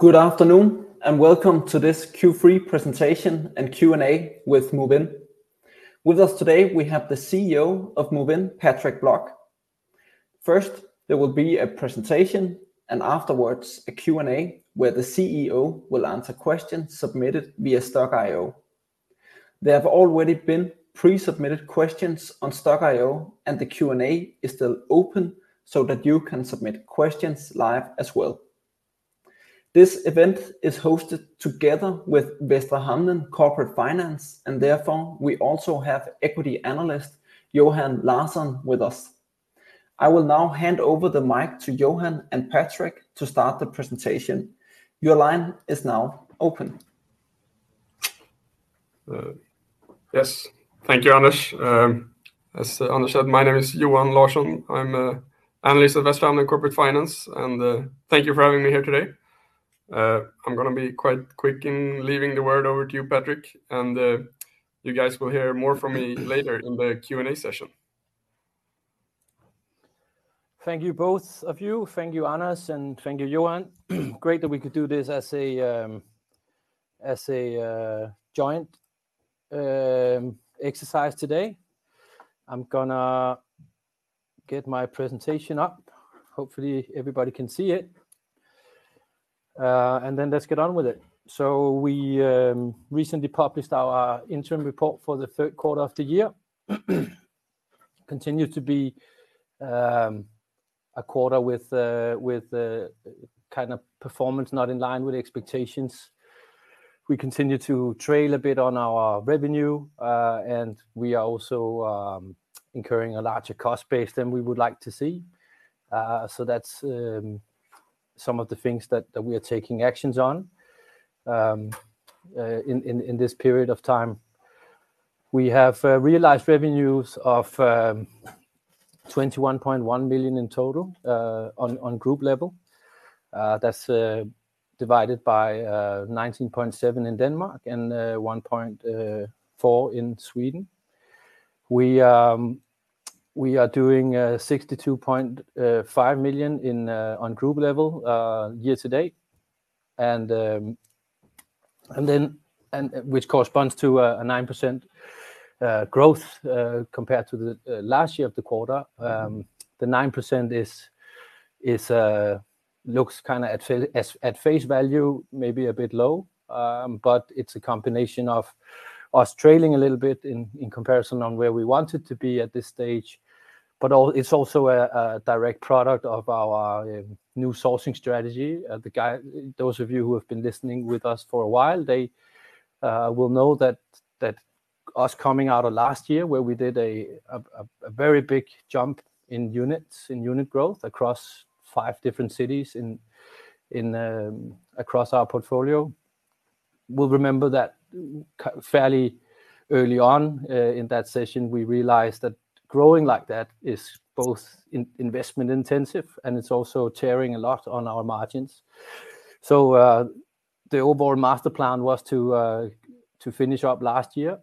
Good afternoon, and welcome to this Q3 presentation and Q&A with Movinn. With us today, we have the CEO of Movinn, Patrick Blok. First, there will be a presentation, and afterwards, a Q&A, where the CEO will answer questions submitted via Stokk.io. There have already been pre-submitted questions on Stokk.io, and the Q&A is still open so that you can submit questions live as well. This event is hosted together with Västra Hamnen Corporate Finance, and therefore, we also have Equity Analyst Johan Larsson with us. I will now hand over the mic to Johan and Patrick to start the presentation. Your line is now open. Yes. Thank you, Anders. As Anders said, my name is Johan Larsson. I'm a analyst at Västra Hamnen Corporate Finance, and thank you for having me here today. I'm gonna be quite quick in leaving the word over to you, Patrick, and you guys will hear more from me later in the Q&A session. Thank you, both of you. Thank you, Anders, and thank you, Johan. Great that we could do this as a joint exercise today. I'm gonna get my presentation up. Hopefully, everybody can see it. And then let's get on with it. So we recently published our interim report for the third quarter of the year. Continue to be a quarter with kind of performance not in line with expectations. We continue to trail a bit on our revenue, and we are also incurring a larger cost base than we would like to see. So that's some of the things that we are taking actions on. In this period of time, we have realized revenues of 21.1 million in total, on group level. That's divided by 19.7 in Denmark and 1.4 in Sweden. We are doing 62.5 million on group level year to date, and which corresponds to a 9% growth compared to the last year of the quarter. The 9% looks kind of at face value, maybe a bit low, but it's a combination of us trailing a little bit in comparison on where we wanted to be at this stage. But it's also a direct product of our new sourcing strategy. Those of you who have been listening with us for a while will know that us coming out of last year, where we did a very big jump in units, in unit growth across five different cities across our portfolio, will remember that fairly early on in that session, we realized that growing like that is both investment intensive, and it's also tearing a lot on our margins. So, the overall master plan was to finish up last year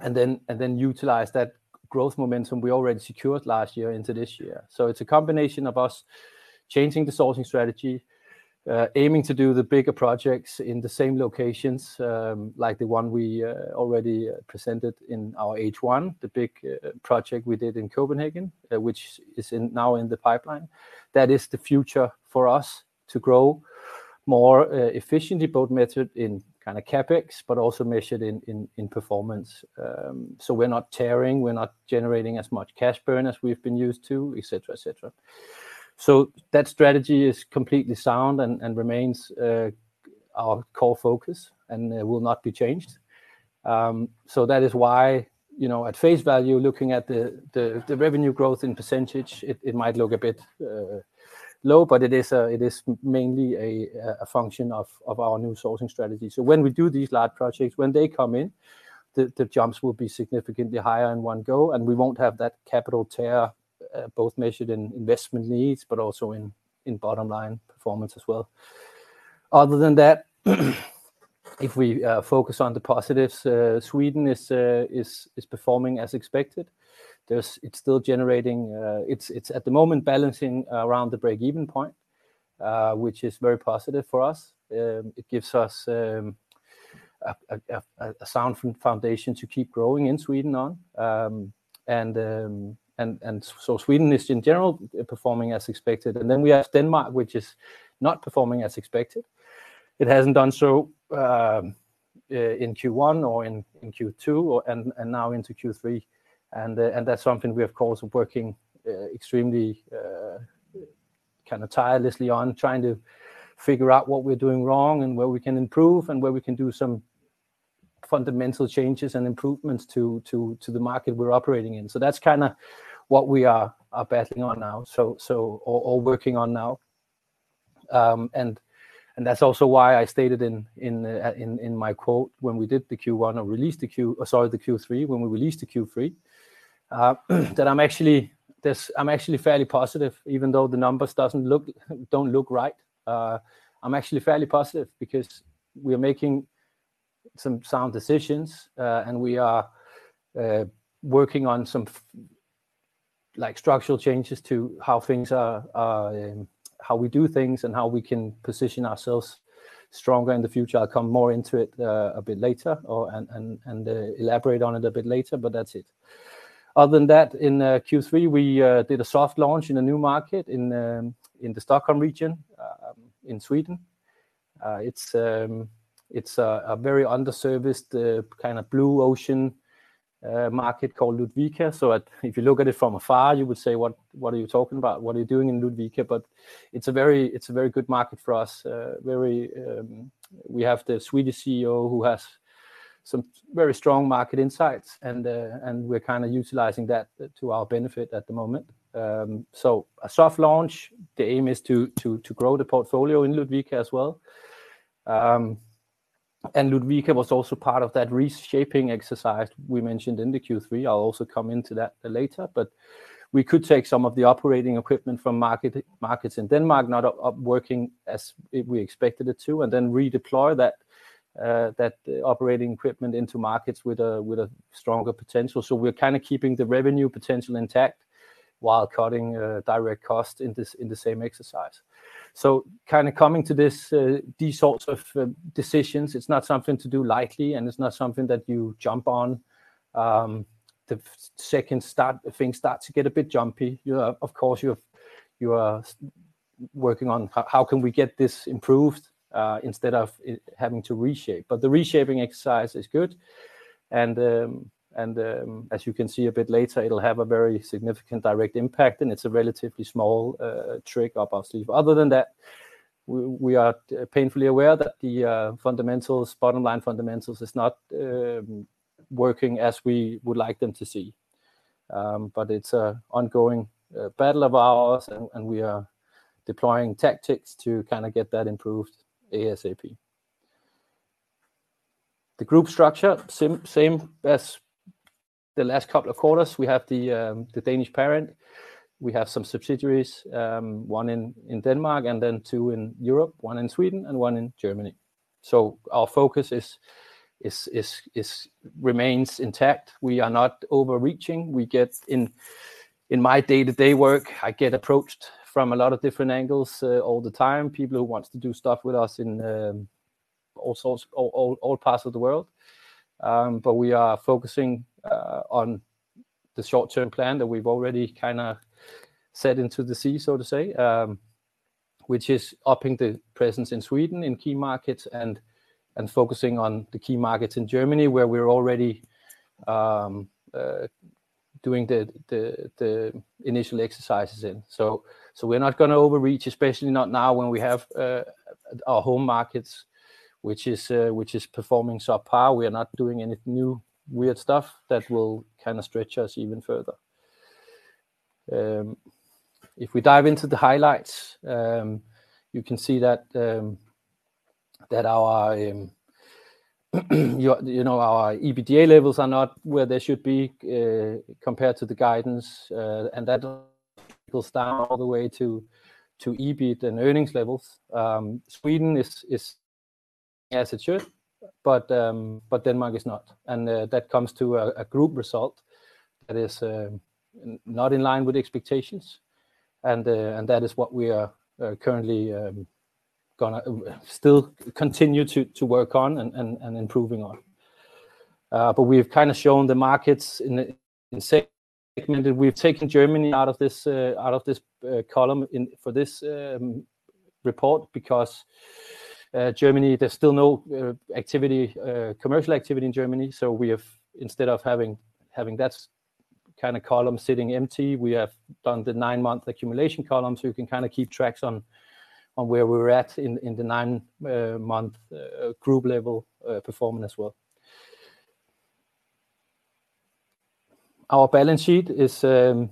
and then utilize that growth momentum we already secured last year into this year. So it's a combination of us changing the sourcing strategy, aiming to do the bigger projects in the same locations, like the one we already presented in our H1, the big project we did in Copenhagen, which is now in the pipeline. That is the future for us to grow more efficiently, both measured in kind of CapEx, but also measured in performance. So we're not tearing, we're not generating as much cash burn as we've been used to, et cetera, et cetera. So that strategy is completely sound and remains our core focus and will not be changed. So that is why, you know, at face value, looking at the revenue growth in percentage, it might look a bit low, but it is mainly a function of our new sourcing strategy. So when we do these large projects, when they come in, the jumps will be significantly higher in one go, and we won't have that capital tear, both measured in investment needs, but also in bottom line performance as well. Other than that, if we focus on the positives, Sweden is performing as expected. It's at the moment, balancing around the break-even point, which is very positive for us. It gives us a sound foundation to keep growing in Sweden on. Sweden is, in general, performing as expected. And then we have Denmark, which is not performing as expected. It hasn't done so in Q1 or in Q2, or and now into Q3, and that's something we are, of course, working extremely kind of tirelessly on, trying to figure out what we're doing wrong and where we can improve and where we can do some fundamental changes and improvements to the market we're operating in. So that's kind of what we are battling on now, or working on now. And that's also why I stated in my quote, when we did the Q1 or released the Q... Sorry, the Q3, when we released the Q3, that I'm actually fairly positive, even though the numbers don't look right. I'm actually fairly positive because we are making some sound decisions, and we are working on some like structural changes to how things are, how we do things, and how we can position ourselves stronger in the future. I'll come more into it a bit later or and elaborate on it a bit later, but that's it. Other than that, in Q3, we did a soft launch in a new market in the Stockholm region in Sweden. It's a very underserviced kind of blue ocean market called Ludvika. So if you look at it from afar, you would say, "What, what are you talking about? What are you doing in Ludvika?" But it's a very good market for us. We have the Swedish CEO, who has some very strong market insights, and we're kind of utilizing that to our benefit at the moment. So a soft launch, the aim is to grow the portfolio in Ludvika as well. And Ludvika was also part of that reshaping exercise we mentioned in the Q3. I'll also come into that later, but we could take some of the operating equipment from markets in Denmark not working as we expected it to, and then redeploy that operating equipment into markets with a stronger potential. So we're kind of keeping the revenue potential intact while cutting direct costs in this in the same exercise. So kind of coming to these sorts of decisions, it's not something to do lightly, and it's not something that you jump on the second things start to get a bit jumpy. You are, of course, you are working on how can we get this improved instead of it having to reshape. But the reshaping exercise is good, and as you can see a bit later, it'll have a very significant direct impact, and it's a relatively small trick up our sleeve. Other than that, we are painfully aware that the fundamentals, bottom-line fundamentals, is not working as we would like them to see. But it's an ongoing battle of ours, and we are deploying tactics to kind of get that improved ASAP. The group structure, same as the last couple of quarters. We have the Danish parent. We have some subsidiaries, one in Denmark, and then two in Europe, one in Sweden and one in Germany. So our focus remains intact. We are not overreaching. In my day-to-day work, I get approached from a lot of different angles all the time, people who wants to do stuff with us in all parts of the world. But we are focusing on the short-term plan that we've already kind of set into the sea, so to say. Which is upping the presence in Sweden, in key markets, and focusing on the key markets in Germany, where we're already doing the initial exercises in. So we're not going to overreach, especially not now when we have our home markets, which is performing subpar. We are not doing any new weird stuff that will kind of stretch us even further. If we dive into the highlights, you can see that our you know our EBITDA levels are not where they should be compared to the guidance. And that goes down all the way to EBIT and earnings levels. Sweden is as it should, but Denmark is not, and that comes to a group result that is not in line with expectations. That is what we are currently gonna still continue to work on and improving on. We've kind of shown the markets in the segment that we've taken Germany out of this column for this report, because in Germany there's still no activity, commercial activity in Germany. We have, instead of having that kind of column sitting empty, we have done the nine-month accumulation column, so you can kind of keep tracks on where we're at in the nine-month group level performance as well. Our balance sheet is shown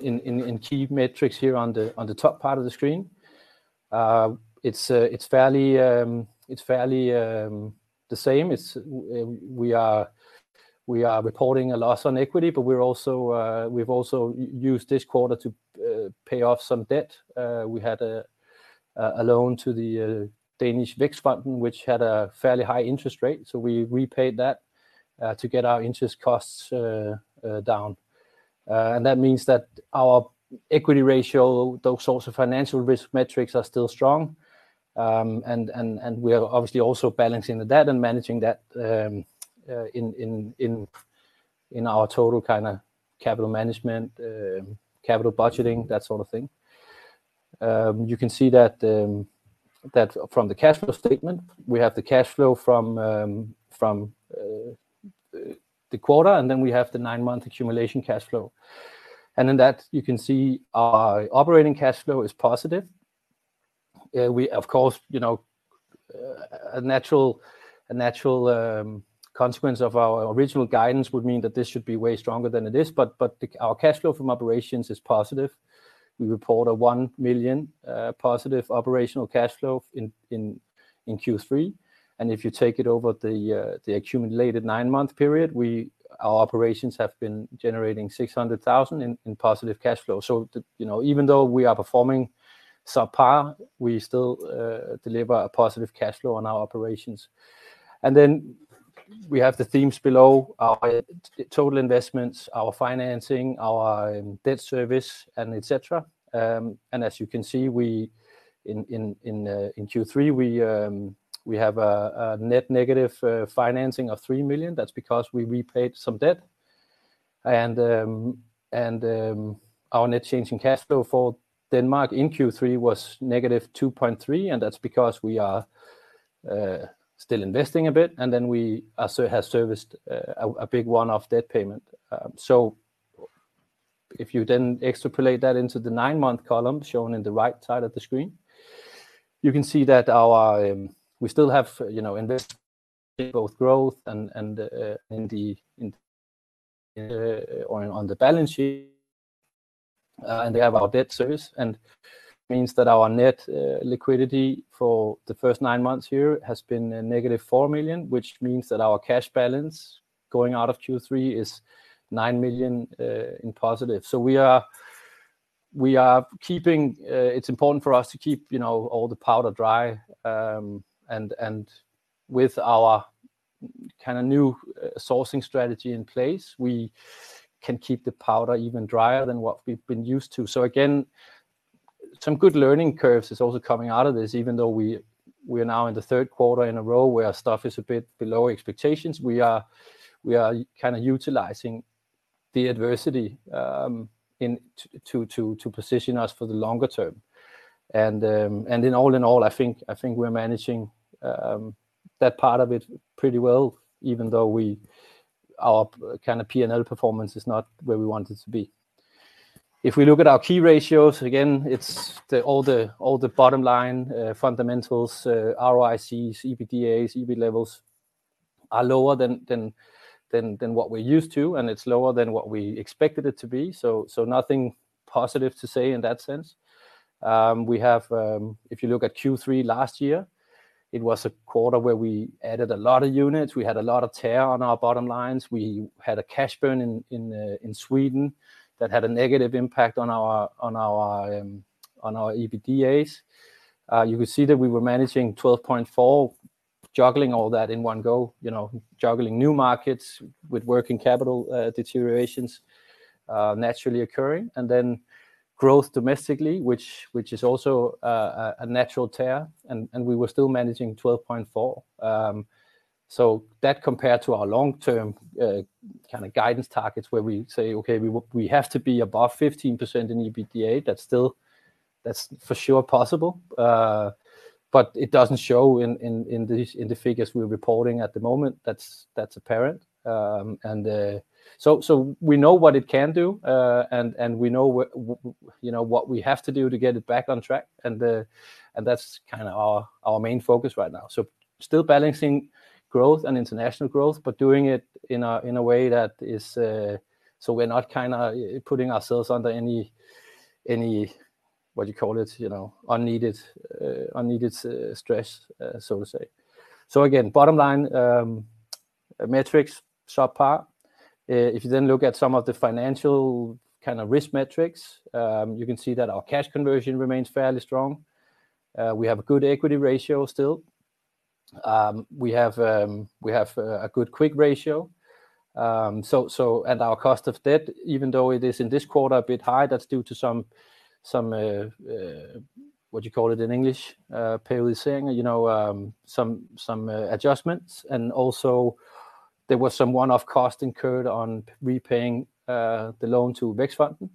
in key metrics here on the top part of the screen. It's fairly the same. We are reporting a loss on equity, but we're also we've also used this quarter to pay off some debt. We had a loan to the Danish Vækstfonden, which had a fairly high interest rate, so we repaid that to get our interest costs down. And that means that our equity ratio, those sorts of financial risk metrics, are still strong. And we are obviously also balancing the debt and managing that in our total kind of capital management, capital budgeting, that sort of thing. You can see that from the cash flow statement, we have the cash flow from the quarter, and then we have the nine-month accumulation cash flow. In that, you can see our operating cash flow is positive. We, of course, you know, a natural, a natural, consequence of our original guidance would mean that this should be way stronger than it is, but, but the— our cash flow from operations is positive. We report a 1 million positive operational cash flow in Q3. And if you take it over the, the accumulated nine-month period, we— our operations have been generating 600,000 in positive cash flow. So, you know, even though we are performing subpar, we still, deliver a positive cash flow on our operations. And then... We have the themes below, our total investments, our financing, our debt service, and etcetera. As you can see, we in Q3 have a net negative financing of 3 million. That's because we repaid some debt. Our net change in cash flow for Denmark in Q3 was negative 2.3 million, and that's because we are still investing a bit, and then we also have serviced a big one-off debt payment. So if you then extrapolate that into the nine-month column shown in the right side of the screen, you can see that our we still have, you know, invest both growth and in the in on the balance sheet, and we have our debt service. It means that our net liquidity for the first nine months here has been a -4 million, which means that our cash balance going out of Q3 is 9 million in positive. So we are keeping—it's important for us to keep, you know, all the powder dry. And with our kind of new sourcing strategy in place, we can keep the powder even drier than what we've been used to. So again, some good learning curves is also coming out of this, even though we are now in the third quarter in a row where stuff is a bit below expectations. We are kind of utilizing the adversity in order to position us for the longer term. And, and then all in all, I think, I think we're managing that part of it pretty well, even though our kind of P&L performance is not where we want it to be. If we look at our key ratios, again, it's the all the, all the bottom line fundamentals, ROICs, EBITDA, EBIT levels are lower than, than, than, than what we're used to, and it's lower than what we expected it to be, so, so nothing positive to say in that sense. We have... If you look at Q3 last year, it was a quarter where we added a lot of units. We had a lot of tear on our bottom lines. We had a cash burn in Sweden that had a negative impact on our, on our, on our EBITDAs. You could see that we were managing 12.4, juggling all that in one go, you know, juggling new markets with working capital, deteriorations, naturally occurring, and then growth domestically, which is also a natural tear, and we were still managing 12.4. So that compared to our long-term kind of guidance targets, where we say, "Okay, we have to be above 15% in EBITDA," that's still-- that's for sure possible. But it doesn't show in the figures we're reporting at the moment. That's apparent. And so we know what it can do, and we know what we have to do to get it back on track, and that's kind of our main focus right now. So still balancing growth and international growth, but doing it in a way that is so we're not kind of putting ourselves under any, what you call it? You know, unneeded stress, so to say. So again, bottom line, metrics subpar. If you then look at some of the financial kind of risk metrics, you can see that our cash conversion remains fairly strong. We have a good equity ratio still. We have a good quick ratio. So and our cost of debt, even though it is in this quarter, a bit high, that's due to some, some, what you call it in English? Per was saying, you know, some, some adjustments. And also there was some one-off cost incurred on repaying the loan to Vækstfonden.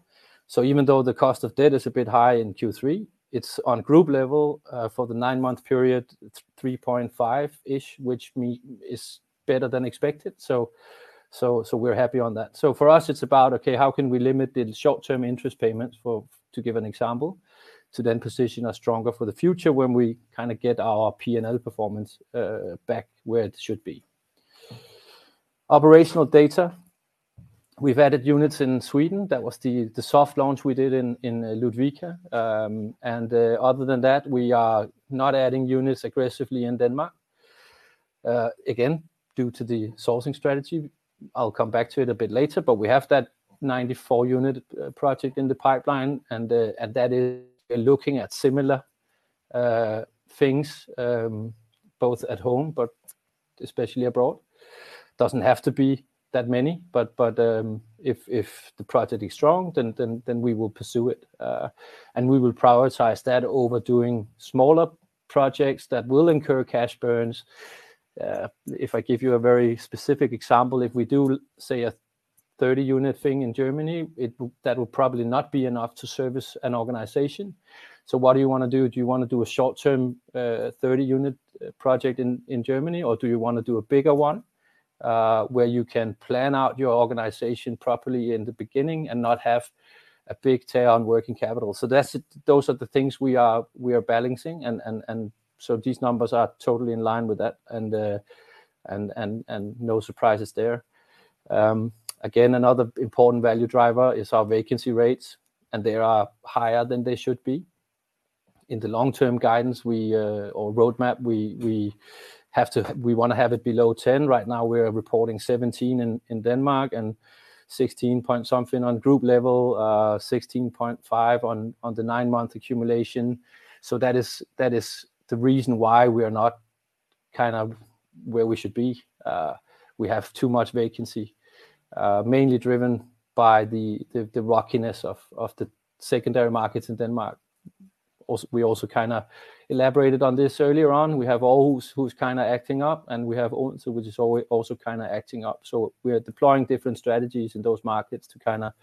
So even though the cost of debt is a bit high in Q3, it's on group level for the nine-month period, it's 3.5-ish, which is better than expected, so we're happy on that. So for us, it's about, okay, how can we limit the short-term interest payments for to give an example, to then position us stronger for the future when we kind of get our P&L performance back where it should be. Operational data, we've added units in Sweden. That was the soft launch we did in Ludvika. And other than that, we are not adding units aggressively in Denmark, again, due to the sourcing strategy. I'll come back to it a bit later, but we have that 94-unit project in the pipeline, and that is... We're looking at similar things both at home but especially abroad. Doesn't have to be that many, but if the project is strong, then we will pursue it. And we will prioritize that over doing smaller projects that will incur cash burns. If I give you a very specific example, if we do, say, a 30-unit thing in Germany, that would probably not be enough to service an organization. So what do you want to do? Do you want to do a short-term, 30-unit project in Germany, or do you want to do a bigger one, where you can plan out your organization properly in the beginning and not have a big tear on working capital? So that's it. Those are the things we are balancing, and so these numbers are totally in line with that, and no surprises there. Again, another important value driver is our vacancy rates, and they are higher than they should be. In the long-term guidance or roadmap, we want to have it below 10. Right now, we're reporting 17 in Denmark, and 16-point-something on group level, 16.5 on the nine-month accumulation. So that is the reason why we are not-... kind of where we should be. We have too much vacancy, mainly driven by the rockiness of the secondary markets in Denmark. We also kind of elaborated on this earlier on. We have Aarhus who's kind of acting up, and we have Odense, which is also kind of acting up. So we are deploying different strategies in those markets to kind of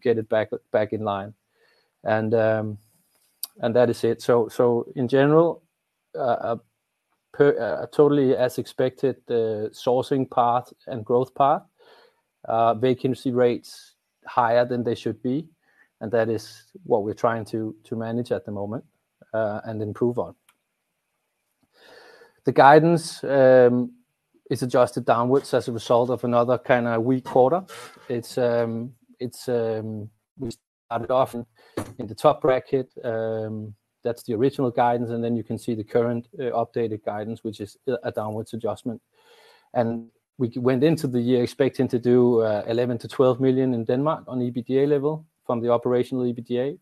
get it back in line. And that is it. So in general, Per, totally as expected, the sourcing path and growth path, vacancy rates higher than they should be, and that is what we're trying to manage at the moment and improve on. The guidance is adjusted downwards as a result of another kind of weak quarter. It's... We started off in the top bracket, that's the original guidance, and then you can see the current updated guidance, which is a downwards adjustment. We went into the year expecting to do 11 million-12 million in Denmark on the EBITDA level from the operational EBITDA.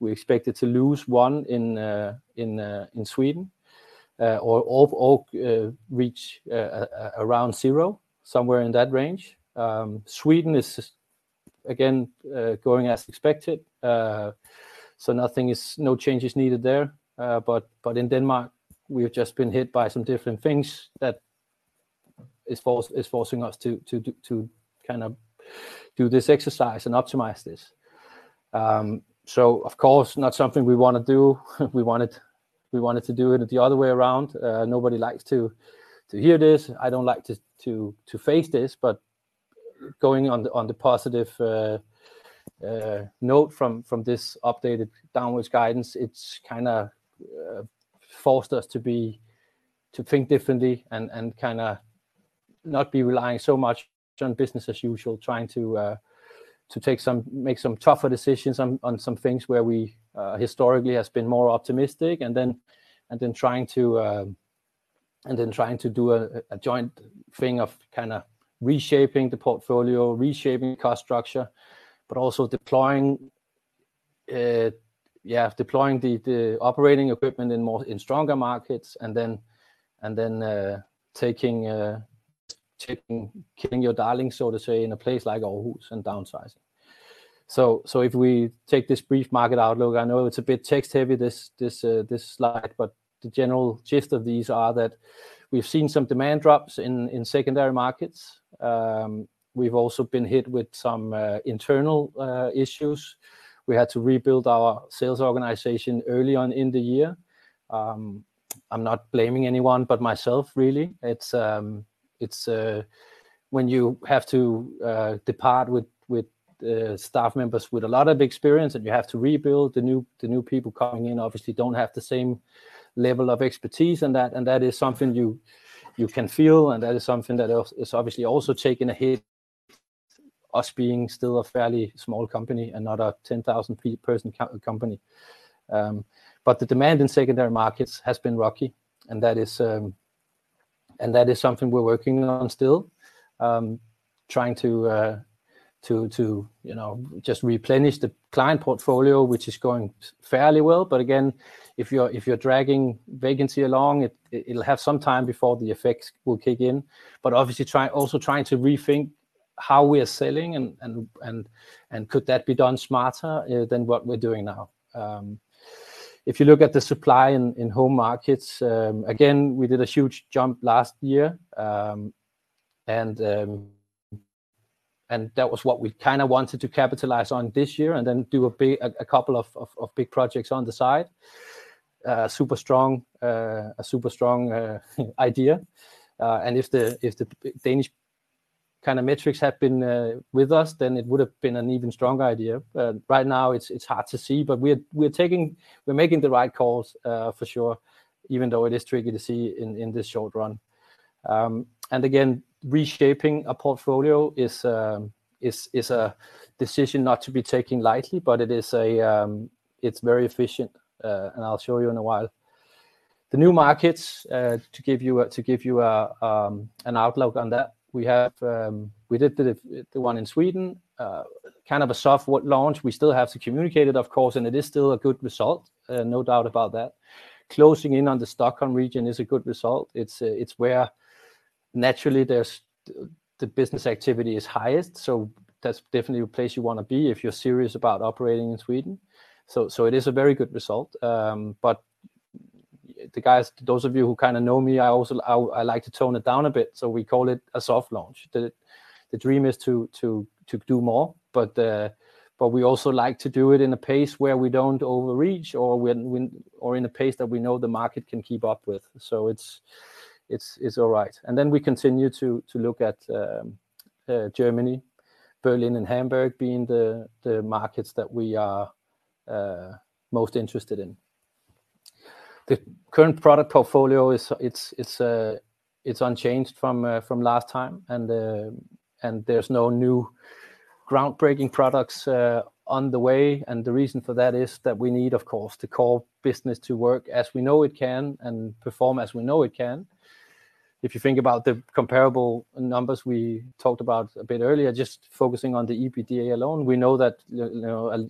We expected to lose 1 million in Sweden or reach around zero, somewhere in that range. Sweden is again going as expected, so no changes needed there. But in Denmark, we have just been hit by some different things that is forcing us to kind of do this exercise and optimize this. So of course, not something we want to do. We wanted to do it the other way around. Nobody likes to hear this. I don't like to face this, but going on the positive note from this updated downwards guidance, it's kind of forced us to think differently and kind of not be relying so much on business as usual. Trying to make some tougher decisions on some things where we historically has been more optimistic, and then trying to do a joint thing of kind of reshaping the portfolio, reshaping cost structure, but also deploying the operating equipment in stronger markets, and then taking, killing your darlings, so to say, in a place like Aarhus and downsizing. So if we take this brief market outlook, I know it's a bit text-heavy, this slide, but the general gist of these are that we've seen some demand drops in secondary markets. We've also been hit with some internal issues. We had to rebuild our sales organization early on in the year. I'm not blaming anyone but myself, really. It's when you have to depart with staff members with a lot of experience, and you have to rebuild, the new people coming in obviously don't have the same level of expertise and that is something you can feel, and that is something that is obviously also taking a hit, us being still a fairly small company and not a 10,000-person company. But the demand in secondary markets has been rocky, and that is something we're working on still. Trying to, to, you know, just replenish the client portfolio, which is going fairly well. But again, if you're dragging vacancy along, it'll have some time before the effects will kick in. But obviously also trying to rethink how we are selling and could that be done smarter than what we're doing now? If you look at the supply in home markets, again, we did a huge jump last year. And that was what we kind of wanted to capitalize on this year and then do a big... a couple of big projects on the side. Super strong idea. And if the Danish kind of metrics had been with us, then it would have been an even stronger idea. Right now, it's hard to see, but we're making the right calls for sure, even though it is tricky to see in the short run. And again, reshaping a portfolio is a decision not to be taken lightly, but it is a it's very efficient, and I'll show you in a while. The new markets to give you an outlook on that, we have we did the one in Sweden kind of a soft launch. We still have to communicate it, of course, and it is still a good result, no doubt about that. Closing in on the Stockholm region is a good result. It's, it's where naturally there's the business activity is highest, so that's definitely a place you want to be if you're serious about operating in Sweden. So, it is a very good result. But the guys—those of you who kind of know me, I also I like to tone it down a bit, so we call it a soft launch. The dream is to do more, but we also like to do it in a pace where we don't overreach or in a pace that we know the market can keep up with. So it's all right. And then we continue to look at Germany, Berlin and Hamburg being the markets that we are most interested in. The current product portfolio is, it's unchanged from last time, and there's no new groundbreaking products on the way. The reason for that is that we need, of course, to call business to work as we know it can and perform as we know it can.... If you think about the comparable numbers we talked about a bit earlier, just focusing on the EBITDA alone, we know that, you know,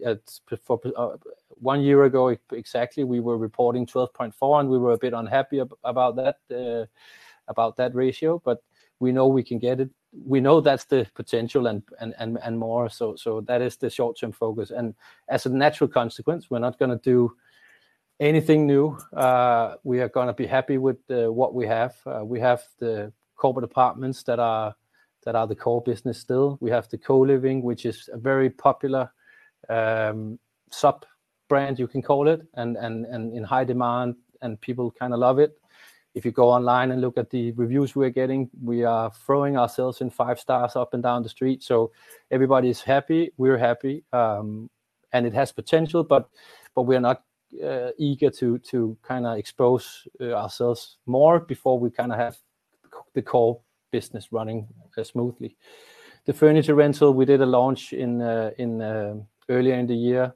for one year ago exactly, we were reporting 12.4, and we were a bit unhappy about that ratio, but we know we can get it. We know that's the potential and more so, so that is the short-term focus. As a natural consequence, we're not going to do anything new. We are going to be happy with what we have. We have the corporate apartments that are the core business still. We have the Coliving, which is a very popular sub-brand, you can call it, and in high demand, and people kind of love it. If you go online and look at the reviews we're getting, we are throwing ourselves in five stars up and down the street, so everybody's happy, we're happy, and it has potential, but we are not eager to kind of expose ourselves more before we kind of have the core business running smoothly. The furniture rental, we did a launch in earlier in the year,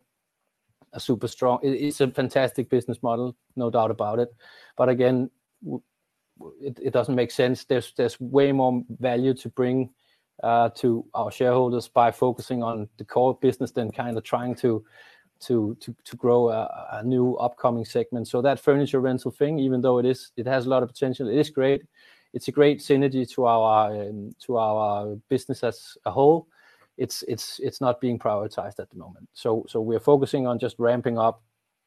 a super strong. It is a fantastic business model, no doubt about it, but again, it doesn't make sense. There's way more value to bring to our shareholders by focusing on the core business than kind of trying to grow a new upcoming segment. So that furniture rental thing, even though it is, it has a lot of potential, it is great. It's a great synergy to our business as a whole. It's not being prioritized at the moment. So we are focusing on just ramping up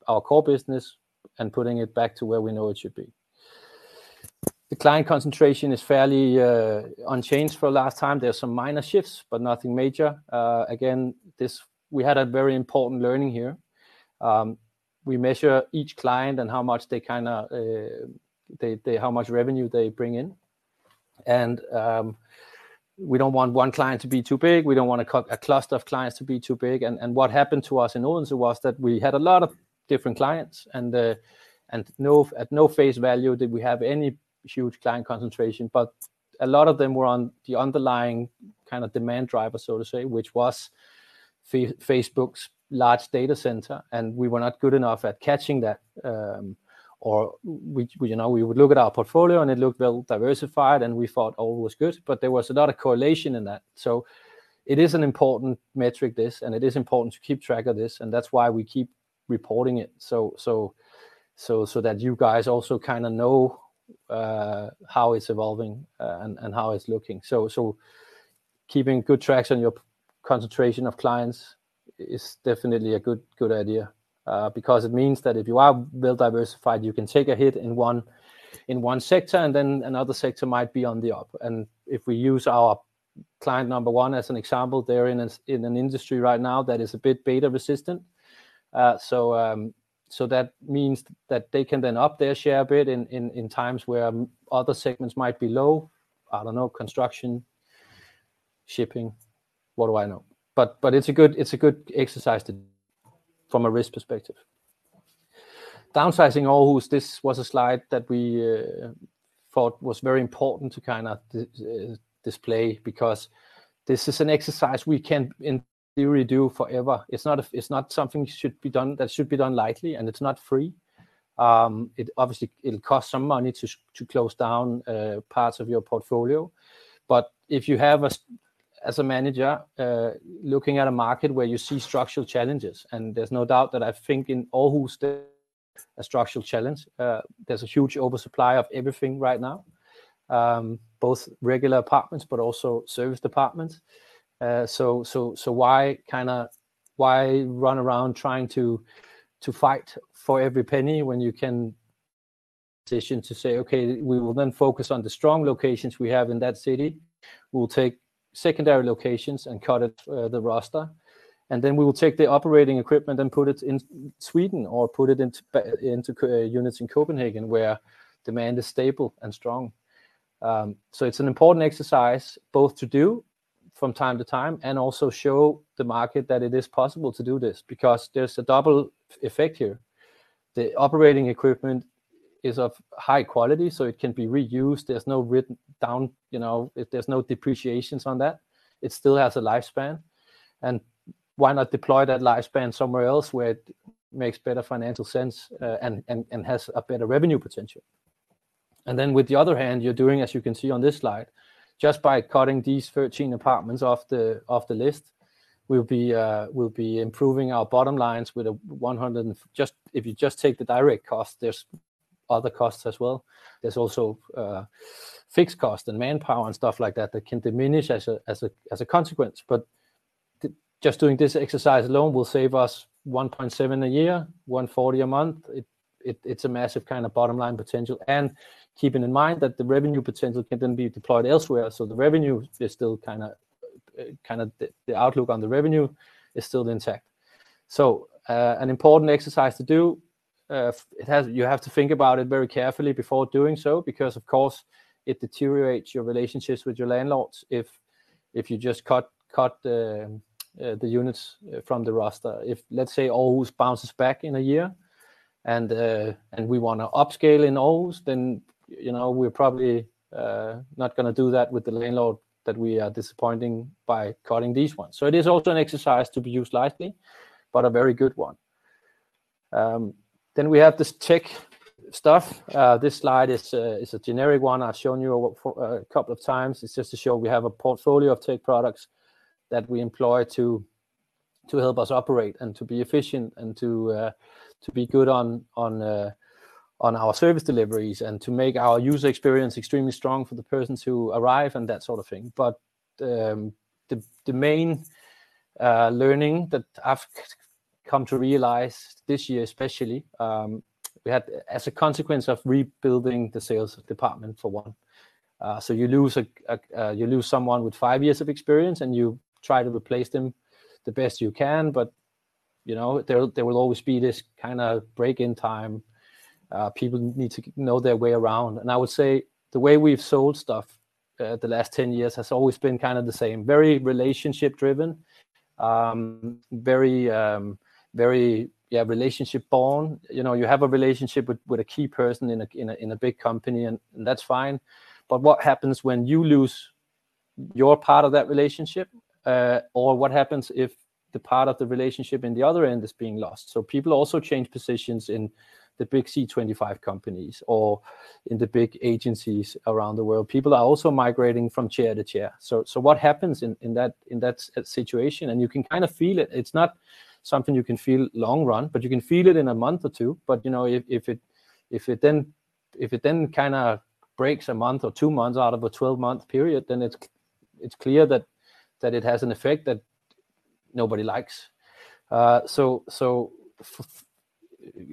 our core business and putting it back to where we know it should be. The client concentration is fairly unchanged from last time. There are some minor shifts, but nothing major. Again, this, we had a very important learning here. We measure each client and how much revenue they bring in. We don't want one client to be too big. We don't want a cluster of clients to be too big. And what happened to us in Odense was that we had a lot of different clients, and at no face value did we have any huge client concentration, but a lot of them were on the underlying kind of demand driver, so to say, which was Facebook's large data center, and we were not good enough at catching that. Or we, you know, we would look at our portfolio, and it looked well diversified, and we thought all was good, but there was a lot of correlation in that. So it is an important metric, this, and it is important to keep track of this, and that's why we keep reporting it. So that you guys also kind of know how it's evolving, and how it's looking. Keeping good track on your concentration of clients is definitely a good, good idea, because it means that if you are well diversified, you can take a hit in one sector, and then another sector might be on the up. If we use our client number one as an example, they're in an industry right now that is a bit beta resistant. So that means that they can then up their share a bit in times where other segments might be low. I don't know, construction, shipping, what do I know? But it's a good exercise, too, from a risk perspective. Downsizing Aarhus, this was a slide that we thought was very important to kind of display, because this is an exercise we can in theory do forever. It's not something that should be done lightly, and it's not free. It obviously will cost some money to close down parts of your portfolio, but if you have, as a manager, looking at a market where you see structural challenges, and there's no doubt that I think in Aarhus, there's a structural challenge. There's a huge oversupply of everything right now, both regular apartments, but also serviced apartments. So why run around trying to fight for every penny when you can decide to say, "Okay, we will then focus on the strong locations we have in that city. We'll take secondary locations and cut it, the roster, and then we will take the operating equipment and put it in Sweden or put it into units in Copenhagen, where demand is stable and strong. So it's an important exercise both to do from time to time and also show the market that it is possible to do this because there's a double effect here. The operating equipment is of high quality, so it can be reused. There's no written down, you know, there's no depreciations on that. It still has a lifespan. And why not deploy that lifespan somewhere else where it makes better financial sense, and has a better revenue potential? And then with the other hand, you're doing, as you can see on this slide, just by cutting these 13 apartments off the list, we'll be improving our bottom lines with a 100 and... Just, if you just take the direct cost, there's other costs as well. There's also fixed cost and manpower and stuff like that, that can diminish as a consequence. But just doing this exercise alone will save us 1.7 million a year, 140,000 a month. It's a massive kind of bottom-line potential, and keeping in mind that the revenue potential can then be deployed elsewhere, so the revenue is still kind of the outlook on the revenue is still intact. So, an important exercise to do. You have to think about it very carefully before doing so, because of course, it deteriorates your relationships with your landlords if you just cut the units from the roster. If, let's say, Aarhus bounces back in a year, and we want to upscale in Aarhus, then, you know, we're probably not going to do that with the landlord that we are disappointing by cutting these ones. So it is also an exercise to be used lightly, but a very good one. Then we have this tech stuff. This slide is a generic one I've shown you a couple of times. It's just to show we have a portfolio of tech products that we employ to help us operate and to be efficient and to be good on our service deliveries and to make our user experience extremely strong for the persons who arrive and that sort of thing. But, the main learning that I've come to realize this year, especially, we had as a consequence of rebuilding the sales department for one. So you lose someone with five years of experience, and you try to replace them the best you can, but, you know, there will always be this kind of break-in time. People need to know their way around, and I would say the way we've sold stuff the last 10 years has always been kind of the same, very relationship-driven. Very, yeah, relationship-born. You know, you have a relationship with a key person in a big company, and that's fine. But what happens when you lose your part of that relationship? Or what happens if the part of the relationship on the other end is being lost? So people also change positions in the big C25 companies or in the big agencies around the world. People are also migrating from chair to chair. So what happens in that situation? And you can kind of feel it. It's not something you can feel long run, but you can feel it in a month or two. You know, if it then kind of breaks a month or two months out of a 12-month period, then it's clear that it has an effect that nobody likes. So,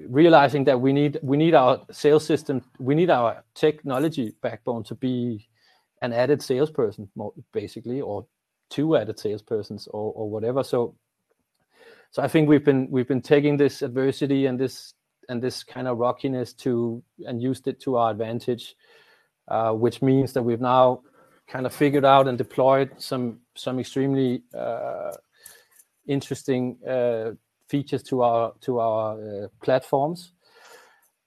realizing that we need our sales system, we need our technology backbone to be an added salesperson basically, or two added salespersons or whatever. So I think we've been taking this adversity and this kind of rockiness and used it to our advantage, which means that we've now kind of figured out and deployed some extremely interesting features to our platforms.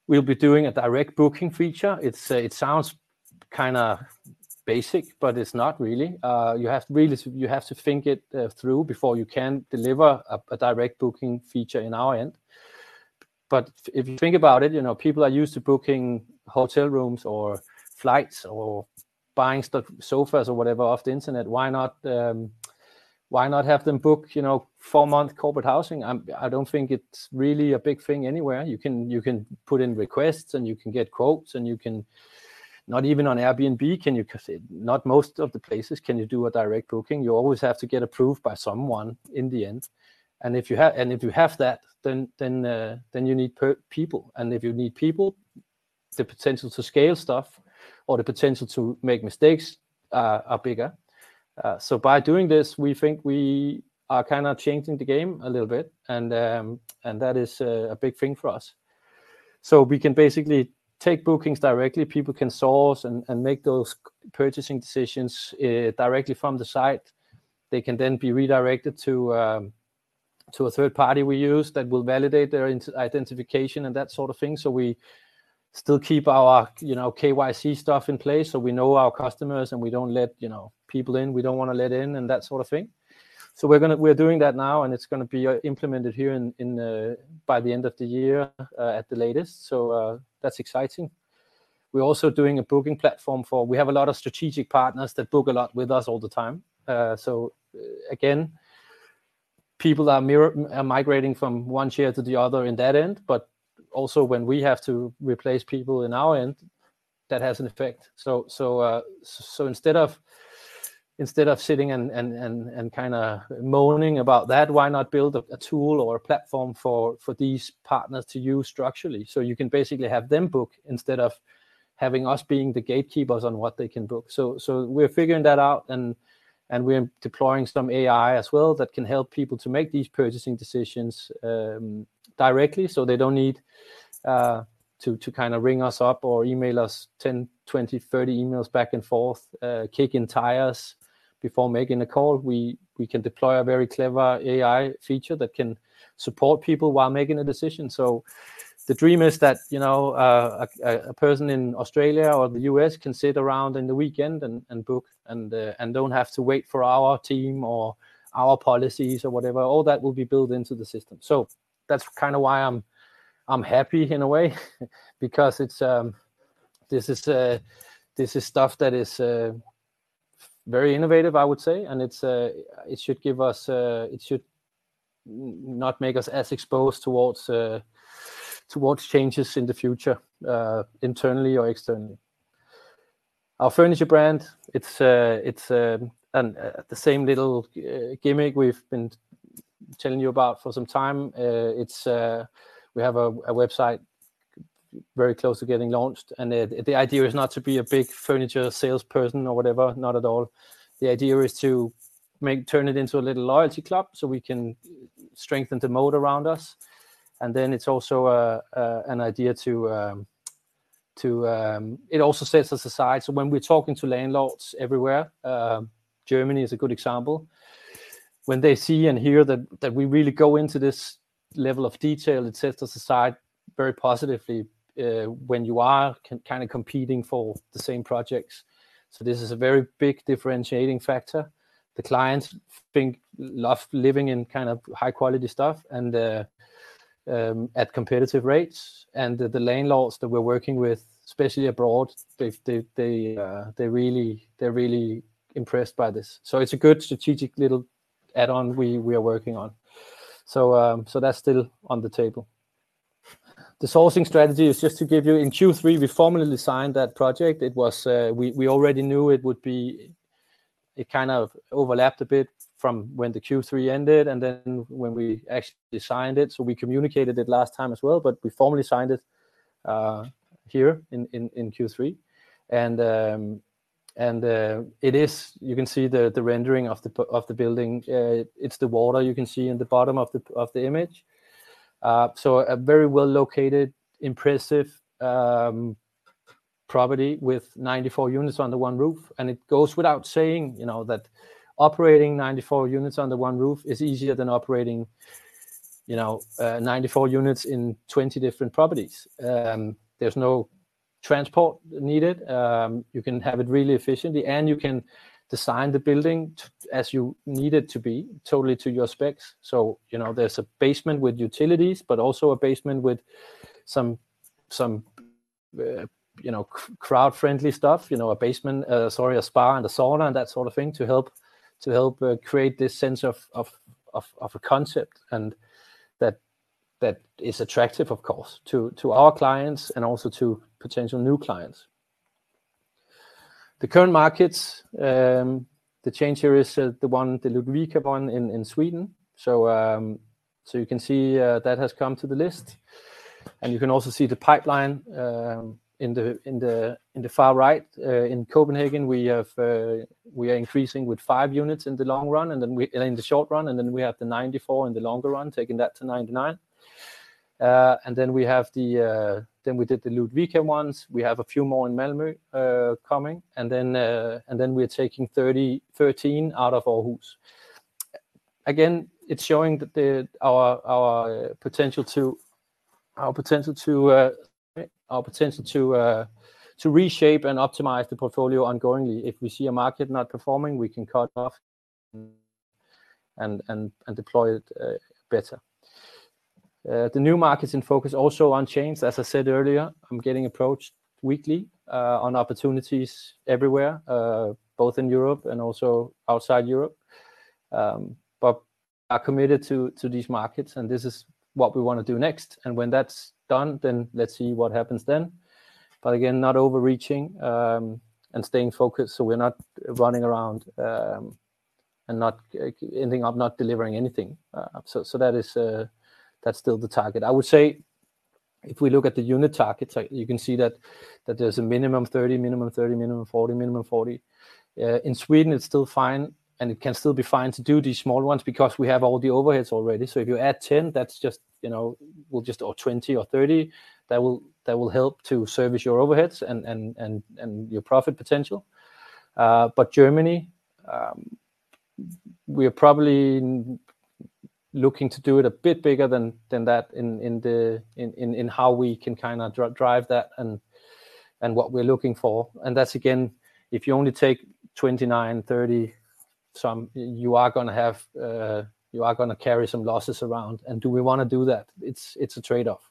We'll be doing a direct booking feature. It sounds kind of basic, but it's not really. You have to really, you have to think it through before you can deliver a, a direct booking feature in our end. But if you think about it, you know, people are used to booking hotel rooms or flights or buying stuff, sofas or whatever, off the internet. Why not, why not have them book, you know, four-month corporate housing? I'm, I don't think it's really a big thing anywhere. You can, you can put in requests, and you can get quotes, and you can... Not even on Airbnb, not most of the places can you do a direct booking. You always have to get approved by someone in the end, and if you have that, then you need people, and if you need people, the potential to scale stuff or the potential to make mistakes are bigger. So by doing this, we think we are kind of changing the game a little bit, and that is a big thing for us. So we can basically take bookings directly. People can source and make those purchasing decisions directly from the site. They can then be redirected to a third party we use that will validate their identification and that sort of thing. So we still keep our, you know, KYC stuff in place, so we know our customers, and we don't let, you know, people in we don't want to let in and that sort of thing. So we're gonna we're doing that now, and it's gonna be implemented here in, in, by the end of the year, at the latest. So, that's exciting. We're also doing a booking platform, for we have a lot of strategic partners that book a lot with us all the time. So again, people are migrating from one chair to the other in that end, but also when we have to replace people in our end, that has an effect. So instead of sitting and kind of moaning about that, why not build a tool or a platform for these partners to use structurally? So you can basically have them book instead of having us being the gatekeepers on what they can book. So we're figuring that out, and we're deploying some AI as well that can help people to make these purchasing decisions directly, so they don't need to kind of ring us up or email us 10, 20, 30 emails back and forth, kicking tires before making a call. We can deploy a very clever AI feature that can support people while making a decision. So the dream is that, you know, a person in Australia or the U.S. can sit around in the weekend and book and don't have to wait for our team or our policies or whatever. All that will be built into the system. So that's kind of why I'm happy in a way, because it's this is stuff that is very innovative, I would say, and it should give us... It should not make us as exposed towards towards changes in the future, internally or externally. Our furniture brand, it's, it's and the same little gimmick we've been telling you about for some time. We have a website very close to getting launched, and the idea is not to be a big furniture salesperson or whatever. Not at all. The idea is to make, turn it into a little loyalty club so we can strengthen the moat around us. And then it's also an idea to... It also sets us aside, so when we're talking to landlords everywhere, Germany is a good example. When they see and hear that we really go into this level of detail, it sets us aside very positively when you are kind of competing for the same projects. So this is a very big differentiating factor. The clients love living in kind of high quality stuff and, at competitive rates and the landlords that we're working with, especially abroad, they really, they're really impressed by this. So it's a good strategic little add-on we are working on. So, that's still on the table. The sourcing strategy is just to give you... In Q3, we formally signed that project. It was, we already knew it would be, it kind of overlapped a bit from when the Q3 ended and then when we actually signed it. So we communicated it last time as well, but we formally signed it here in Q3. And, it is, you can see the rendering of the building. It's the water you can see in the bottom of the image. So a very well-located, impressive property with 94 units under one roof. And it goes without saying, you know, that operating 94 units under one roof is easier than operating, you know, 94 units in 20 different properties. There's no transport needed. You can have it really efficiently, and you can design the building as you need it to be, totally to your specs. So, you know, there's a basement with utilities, but also a basement with some crowd-friendly stuff, you know, a spa and a sauna and that sort of thing to help create this sense of a concept and that is attractive, of course, to our clients and also to potential new clients. The current markets, the change here is the one, the Ludvika one in Sweden. So, so you can see, that has come to the list, and you can also see the pipeline, in the far right. In Copenhagen, we have, we are increasing with five units in the long run, and then we in the short run, and then we have the 94 in the longer run, taking that to 99. Then we did the Ludvika ones. We have a few more in Malmö coming, and then we are taking 13 out of Aarhus. Again, it's showing our potential to reshape and optimize the portfolio ongoingly. If we see a market not performing, we can cut off and deploy it better. The new markets in focus also unchanged. As I said earlier, I'm getting approached weekly on opportunities everywhere both in Europe and also outside Europe. But we are committed to these markets, and this is what we want to do next. When that's done, then let's see what happens then. But again, not overreaching, and staying focused, so we're not running around, and not ending up not delivering anything. So that is, that's still the target. I would say if we look at the unit targets, you can see that there's a minimum 30, minimum 30, minimum 40, minimum 40. In Sweden, it's still fine, and it can still be fine to do these small ones because we have all the overheads already. So if you add 10, that's just, you know, we'll just... Or 20 or 30, that will help to service your overheads and your profit potential. But Germany, we are probably looking to do it a bit bigger than that in how we can kind of drive that and what we're looking for. And that's again, if you only take 29, 30-some, you are going to have, you are going to carry some losses around, and do we want to do that? It's a trade-off.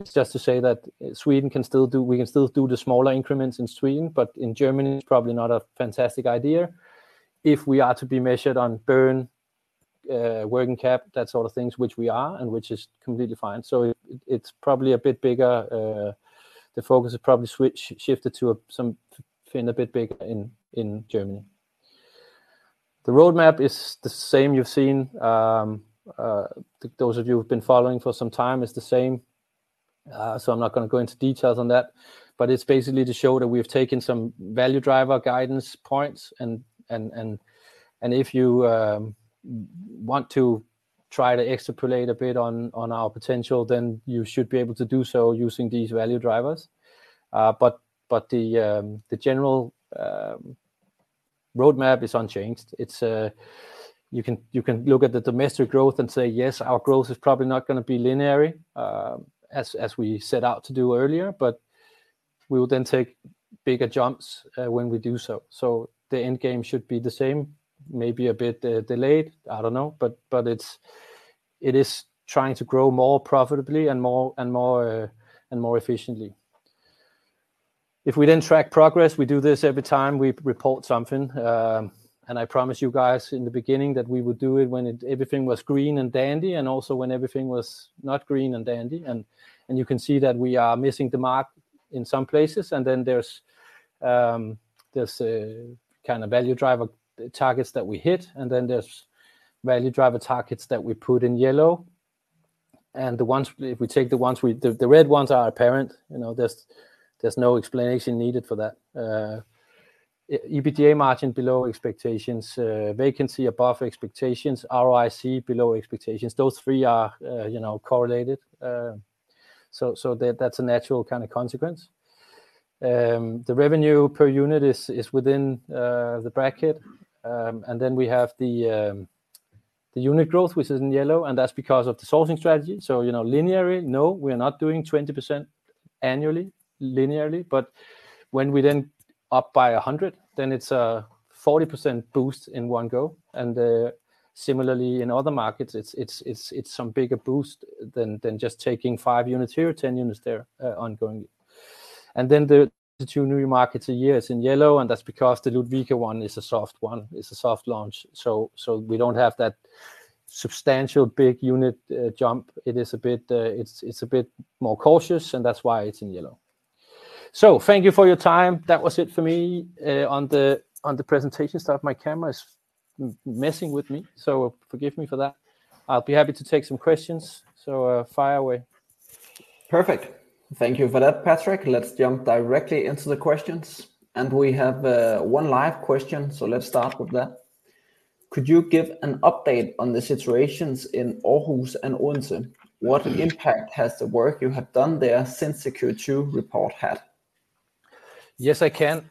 It's just to say that Sweden can still do—we can still do the smaller increments in Sweden, but in Germany, it's probably not a fantastic idea. If we are to be measured on burn, working cap, that sort of things, which we are, and which is completely fine. So it's probably a bit bigger. The focus is probably shifted to something a bit bigger in Germany. The roadmap is the same you've seen. Those of you who've been following for some time, it's the same. So I'm not going to go into details on that, but it's basically to show that we've taken some value driver guidance points and if you want to try to extrapolate a bit on our potential, then you should be able to do so using these value drivers. But the general roadmap is unchanged. It's you can look at the domestic growth and say, "Yes, our growth is probably not going to be linear as we set out to do earlier," but we will then take bigger jumps when we do so. So the end game should be the same, maybe a bit delayed. I don't know, but it's trying to grow more profitably and more efficiently. If we then track progress, we do this every time we report something, and I promise you guys in the beginning that we would do it when everything was green and dandy, and also when everything was not green and dandy, and you can see that we are missing the mark in some places. Then there's a kind of value driver targets that we hit, and then there's value driver targets that we put in yellow. The red ones are apparent, you know, there's no explanation needed for that. EBITDA margin below expectations, vacancy above expectations, ROIC below expectations. Those three are, you know, correlated. So that, that's a natural kind of consequence. The revenue per unit is within the bracket. And then we have the unit growth, which is in yellow, and that's because of the sourcing strategy. So, you know, linearly, no, we are not doing 20% annually, linearly, but when we then up by 100, then it's a 40% boost in one go. And, similarly in other markets, it's, it's, it's some bigger boost than, than just taking five units here, 10 units there, ongoingly. And then the two new markets a year is in yellow, and that's because the Ludvika one is a soft one, it's a soft launch. So, so we don't have that substantial big unit, jump. It is a bit, it's, it's a bit more cautious, and that's why it's in yellow. So thank you for your time. That was it for me, on the, on the presentation side. My camera is messing with me, so forgive me for that. I'll be happy to take some questions, so, fire away. Perfect. Thank you for that, Patrick. Let's jump directly into the questions, and we have one live question, so let's start with that. Could you give an update on the situations in Aarhus and Odense? What impact has the work you have done there since the Q2 report had? Yes, I can.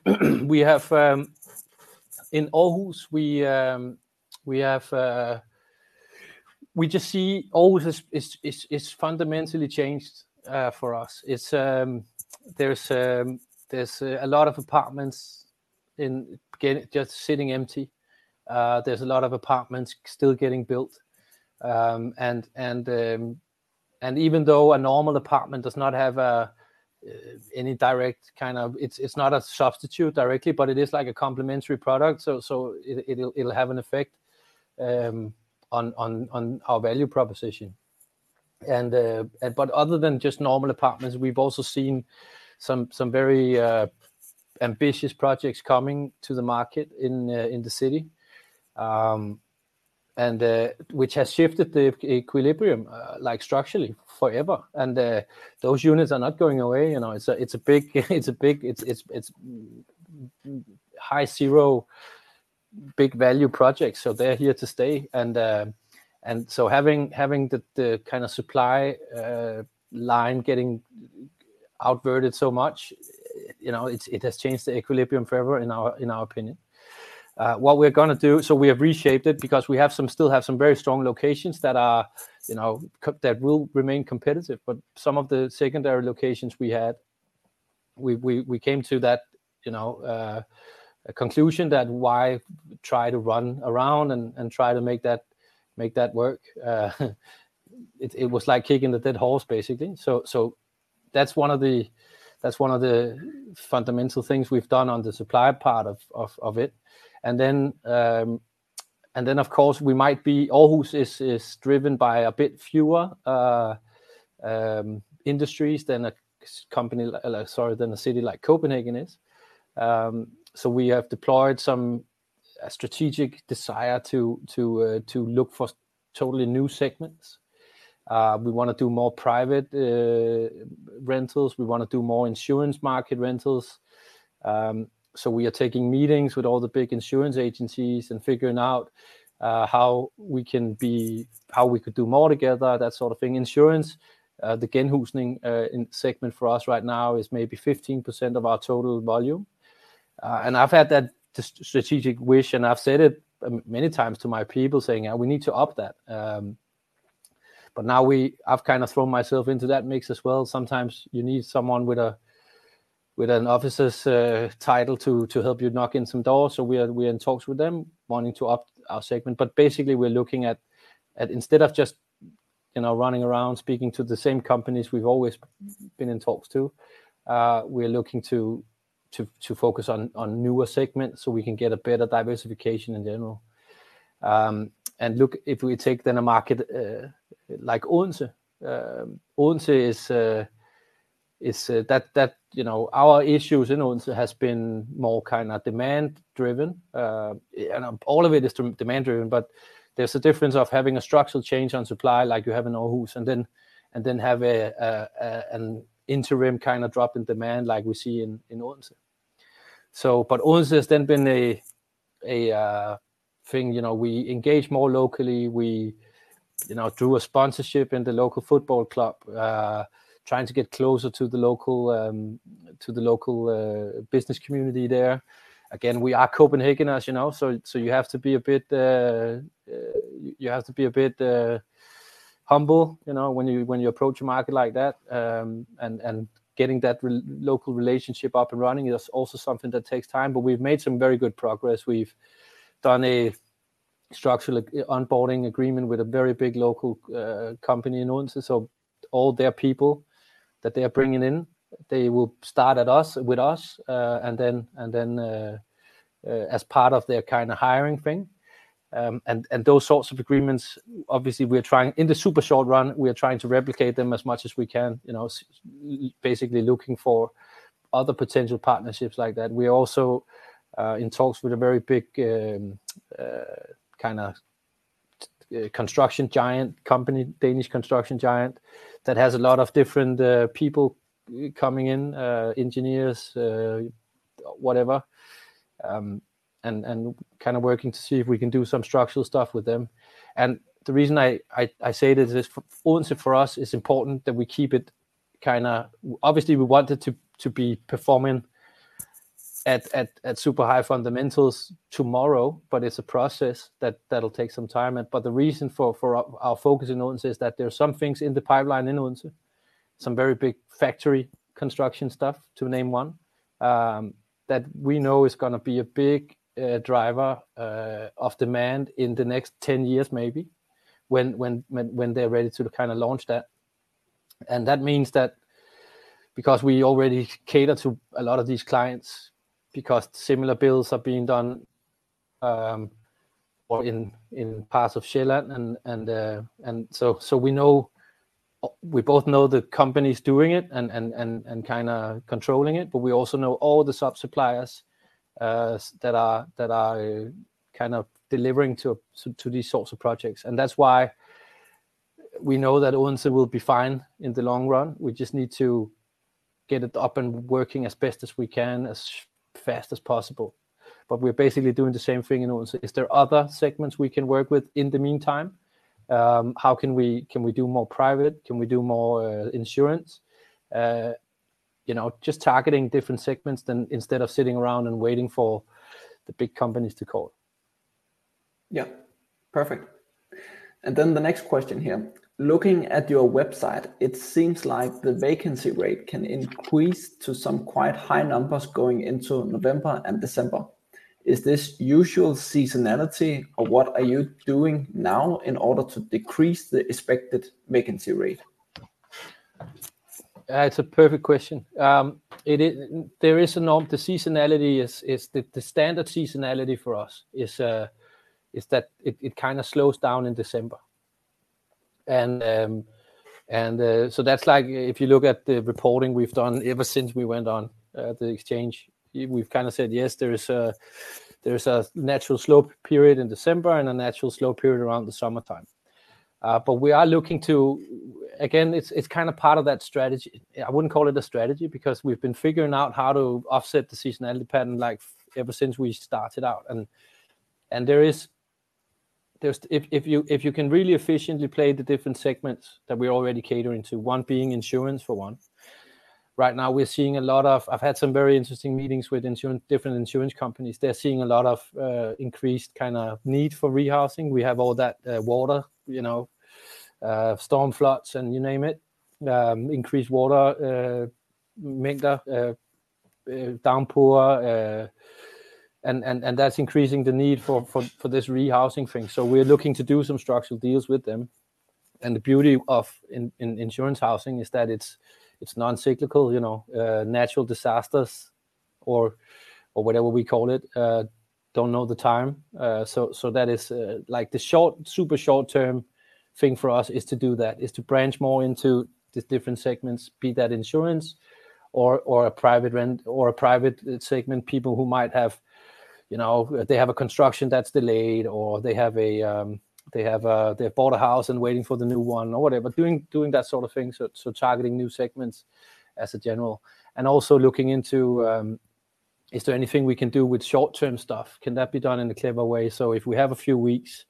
In Aarhus, we just see Aarhus is fundamentally changed for us. It's, there's a lot of apartments just sitting empty. There's a lot of apartments still getting built. And even though a normal apartment does not have any direct kind of... it's not a substitute directly, but it is like a complementary product. So, it'll have an effect on our value proposition. But other than just normal apartments, we've also seen some very ambitious projects coming to the market in the city, which has shifted the equilibrium like structurally forever, and those units are not going away. You know, it's a big high-value big value projects, so they're here to stay. And so having the kind of supply line getting overbuilt so much, you know, it has changed the equilibrium forever in our opinion. What we're going to do, so we have reshaped it because we still have some very strong locations that are, you know, that will remain competitive, but some of the secondary locations we had, we came to that, you know, conclusion that why try to run around and try to make that work? It was like beating the dead horse, basically. So that's one of the fundamental things we've done on the supply part of it. And then, of course, we might be... Aarhus is driven by a bit fewer industries than a company, sorry, than a city like Copenhagen is. So we have deployed some strategic desire to look for totally new segments. We want to do more private rentals. We want to do more insurance market rentals. So we are taking meetings with all the big insurance agencies and figuring out how we can be, how we could do more together, that sort of thing. Insurance, the genhusning segment for us right now is maybe 15% of our total volume. And I've had that strategic wish, and I've said it many times to my people, saying, "We need to up that." But now we, I've kind of thrown myself into that mix as well. Sometimes you need someone with an officer's title to help you knock in some doors. So we are in talks with them, wanting to up our segment. But basically, we're looking at instead of just, you know, running around speaking to the same companies we've always been in talks to, we're looking to focus on newer segments so we can get a better diversification in general. And look, if we take then a market like Odense, Odense is that you know, our issues in Odense has been more kind of demand driven. And all of it is demand driven, but there's a difference of having a structural change on supply like you have in Aarhus, and then have an interim kind of drop in demand like we see in Odense. So but Odense has then been a thing, you know, we engage more locally. We, you know, do a sponsorship in the local football club, trying to get closer to the local business community there. Again, we are Copenhageners, you know, so you have to be a bit humble, you know, when you approach a market like that. And getting that local relationship up and running is also something that takes time, but we've made some very good progress. We've done a structural onboarding agreement with a very big local company in Odense. So all their people that they are bringing in, they will start at us, with us, and then, and then as part of their kind of hiring thing. And those sorts of agreements, obviously, we're trying... in the super short run, we are trying to replicate them as much as we can. You know, basically looking for other potential partnerships like that. We are also in talks with a very big kind of construction giant company, Danish construction giant, that has a lot of different people coming in, engineers... whatever, and kind of working to see if we can do some structural stuff with them. The reason I say this is Odense for us, it's important that we keep it kind of, obviously, we want it to be performing at super high fundamentals tomorrow, but it's a process that'll take some time. But the reason for our focus in Odense is that there are some things in the pipeline in Odense, some very big factory construction stuff, to name one, that we know is going to be a big driver of demand in the next 10 years, maybe, when they're ready to kind of launch that. And that means that because we already cater to a lot of these clients, because similar builds are being done, or in parts of Zealand and so we know - we both know the companies doing it and kind of controlling it, but we also know all the sub-suppliers that are kind of delivering to these sorts of projects. And that's why we know that Odense will be fine in the long run. We just need to get it up and working as best as we can, as fast as possible. But we're basically doing the same thing in Odense. Is there other segments we can work with in the meantime? How can we - can we do more private? Can we do more insurance? You know, just targeting different segments than instead of sitting around and waiting for the big companies to call. Yeah, perfect. And then the next question here: Looking at your website, it seems like the vacancy rate can increase to some quite high numbers going into November and December. Is this usual seasonality, or what are you doing now in order to decrease the expected vacancy rate? It's a perfect question. It is. There is a norm. The seasonality is the standard seasonality for us is that it kind of slows down in December. So that's like if you look at the reporting we've done ever since we went on the exchange, we've kind of said, yes, there is a natural slow period in December and a natural slow period around the summertime. But we are looking to, again, it's kind of part of that strategy. I wouldn't call it a strategy, because we've been figuring out how to offset the seasonality pattern, like, ever since we started out. There is, if you can really efficiently play the different segments that we already cater into, one being insurance for one. Right now, we're seeing a lot of. I've had some very interesting meetings with insurance, different insurance companies. They're seeing a lot of increased kind of need for rehousing. We have all that water, you know, storm floods, and you name it. Increased water, wind, downpour, and that's increasing the need for this rehousing thing. So we're looking to do some structural deals with them. And the beauty of insurance housing is that it's non-cyclical, you know, natural disasters or whatever we call it, don't know the time. So that is like the short, super short term thing for us is to do that, is to branch more into these different segments, be that insurance or a private rent, or a private segment. People who might have, you know, they have a construction that's delayed or they bought a house and waiting for the new one or whatever, doing that sort of thing. So targeting new segments in general and also looking into is there anything we can do with short-term stuff? Can that be done in a clever way? So if we have a few weeks,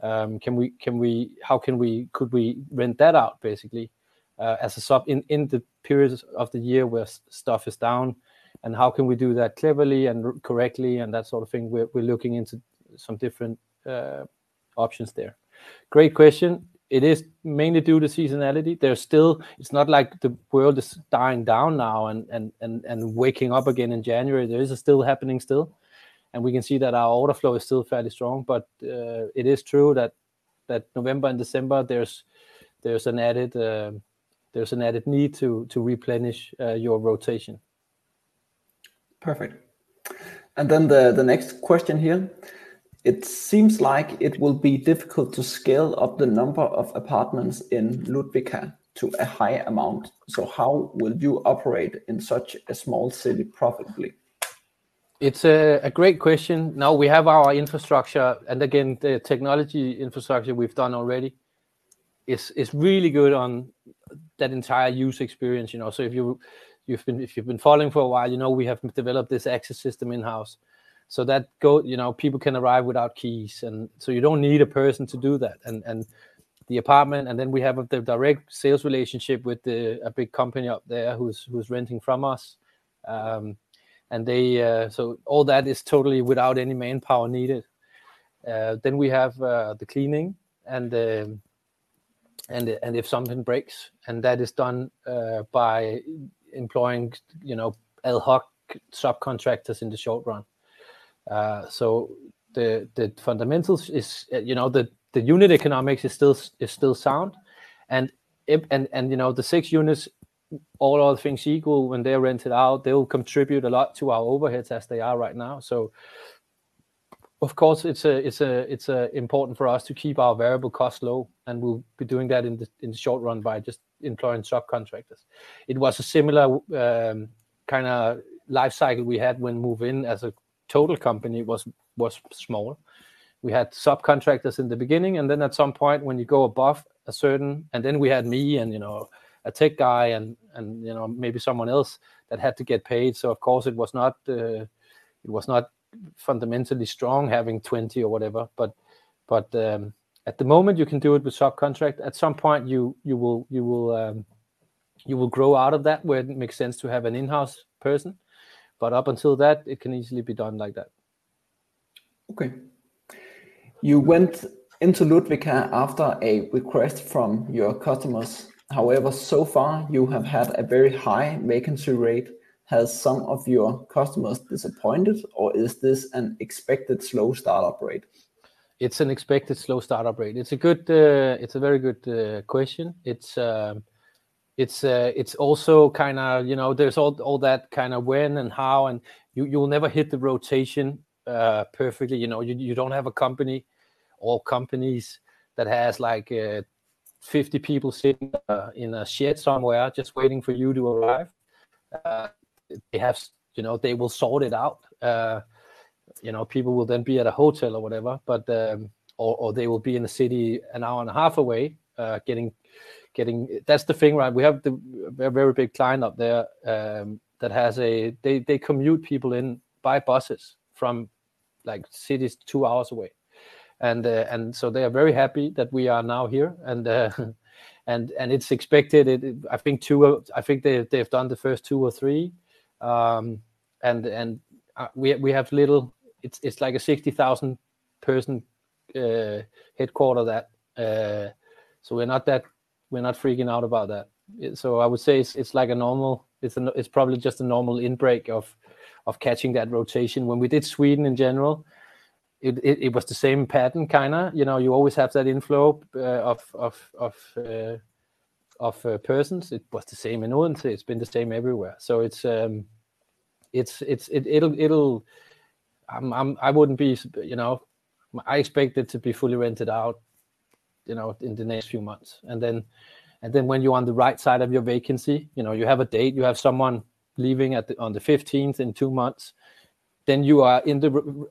can we rent that out basically as a sub in the periods of the year where stuff is down, and how can we do that cleverly and correctly and that sort of thing? We're looking into some different options there. Great question. It is mainly due to seasonality. There's still. It's not like the world is dying down now and waking up again in January. There is still happening still, and we can see that our order flow is still fairly strong, but it is true that November and December, there's an added need to replenish your rotation. Perfect. And then the next question here: It seems like it will be difficult to scale up the number of apartments in Ludvika to a high amount. So how will you operate in such a small city profitably? It's a great question. Now we have our infrastructure, and again, the technology infrastructure we've done already is really good on that entire user experience, you know? So if you've been following for a while, you know, we have developed this access system in-house so that, you know, people can arrive without keys, and so you don't need a person to do that. And the apartment, and then we have the direct sales relationship with the—a big company up there who's renting from us. So all that is totally without any manpower needed. Then we have the cleaning and if something breaks, and that is done by employing, you know, ad hoc subcontractors in the short run. So the fundamentals is, you know, the unit economics is still sound and, you know, the six units, all other things equal, when they're rented out, they will contribute a lot to our overheads as they are right now. So of course, it's important for us to keep our variable costs low, and we'll be doing that in the short run by just employing subcontractors. It was a similar kind of life cycle we had when Movinn as a total company was smaller. We had subcontractors in the beginning, and then at some point, when you go above a certain and then we had me and, you know, a tech guy and, you know, maybe someone else that had to get paid. So of course, it was not. fundamentally strong having 20 or whatever, but at the moment you can do it with subcontract. At some point, you will grow out of that, where it makes sense to have an in-house person, but up until that, it can easily be done like that. Okay. You went into Ludvika after a request from your customers. However, so far you have had a very high vacancy rate. Has some of your customers disappointed, or is this an expected slow start-up rate? It's an expected slow start-up rate. It's a good, it's a very good question. It's also kind of, you know, there's all that kind of when and how, and you, you'll never hit the rotation perfectly. You know, you don't have a company or companies that has like, 50 people sitting in a shed somewhere just waiting for you to arrive. They have, you know, they will sort it out. You know, people will then be at a hotel or whatever, but, or they will be in a city an hour and a half away, getting... That's the thing, right? We have a very big client up there, that has a, they commute people in by buses from, like, cities two hours away. and so they are very happy that we are now here, and it's expected, I think two of—I think they, they've done the first two or three. And we have little... It's like a 60,000-person headquarters that, so we're not that, we're not freaking out about that. So I would say it's like a normal, it's a, it's probably just a normal inbreak of catching that rotation. When we did Sweden in general, it was the same pattern kind of. You know, you always have that inflow of persons. It was the same in Odense. It's been the same everywhere. So it's, it, it'll, it'll... I wouldn't be, you know, I expect it to be fully rented out, you know, in the next few months. And then when you're on the right side of your vacancy, you know, you have a date, you have someone leaving at the, on the fifteenth in two months, then you are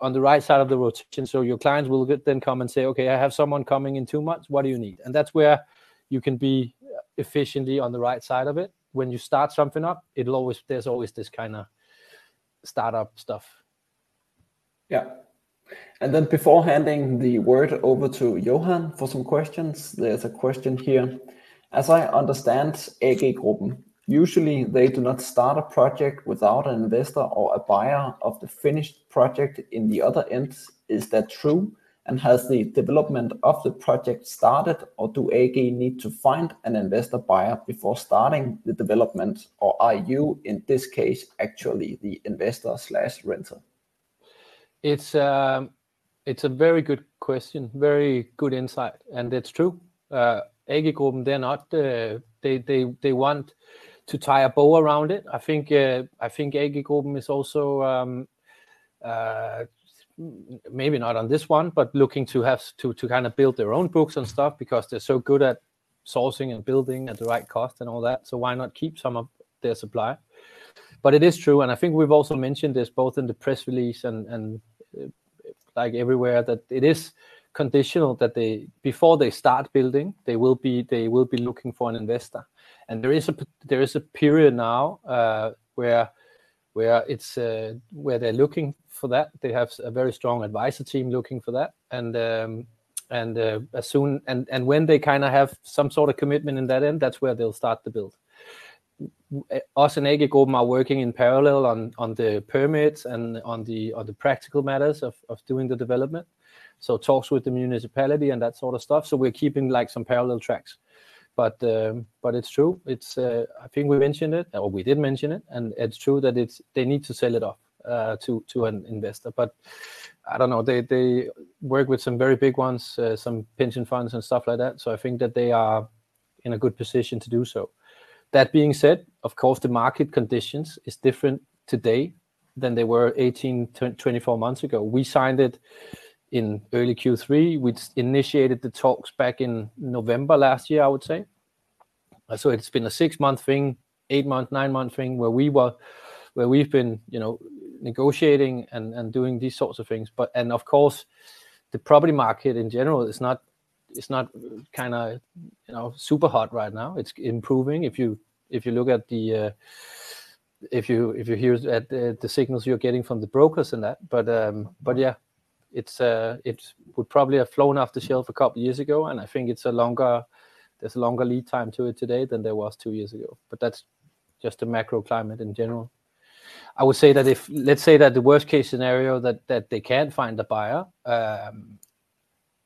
on the right side of the rotation, so your clients will then come and say, "Okay, I have someone coming in two months. What do you need?" And that's where you can be efficiently on the right side of it. When you start something up, it'll always, there's always this kind of startup stuff. Yeah. And then before handing the word over to Johan for some questions, there's a question here: As I understand AG Gruppen, usually they do not start a project without an investor or a buyer of the finished project in the other end. Is that true? And has the development of the project started, or do AG Gruppen need to find an investor buyer before starting the development, or are you, in this case, actually the investor/renter? It's a very good question, very good insight, and it's true. AG Gruppen, they're not, they want to tie a bow around it. I think, I think AG Gruppen is also, maybe not on this one, but looking to have, to kind of build their own books and stuff because they're so good at sourcing and building at the right cost and all that, so why not keep some of their supply? But it is true, and I think we've also mentioned this both in the press release and like everywhere, that it is conditional that they—before they start building, they will be looking for an investor. And there is a period now, where it's where they're looking for that. They have a very strong advisory team looking for that, and when they kind of have some sort of commitment in that end, that's where they'll start the build. Us and AG Gruppen are working in parallel on the permits and on the practical matters of doing the development, so talks with the municipality and that sort of stuff, so we're keeping, like, some parallel tracks. But it's true. It's, I think we mentioned it, or we did mention it, and it's true that it's they need to sell it off to an investor. But I don't know, they work with some very big ones, some pension funds and stuff like that, so I think that they are in a good position to do so. That being said, of course, the market conditions is different today than they were 18-24 months ago. We signed it in early Q3. We initiated the talks back in November last year, I would say. So it's been a six-month thing, eight-month, nine-month thing, where we were - where we've been, you know, negotiating and, and doing these sorts of things. But - and of course, the property market in general is not, it's not kind of, you know, super hot right now. It's improving. If you, if you look at the... If you, if you hear at the, the signals you're getting from the brokers and that. But yeah, it would probably have flown off the shelf a couple years ago, and I think it's a longer, there's a longer lead time to it today than there was two years ago, but that's just the macro climate in general. I would say that if, let's say that the worst-case scenario, that they can't find a buyer,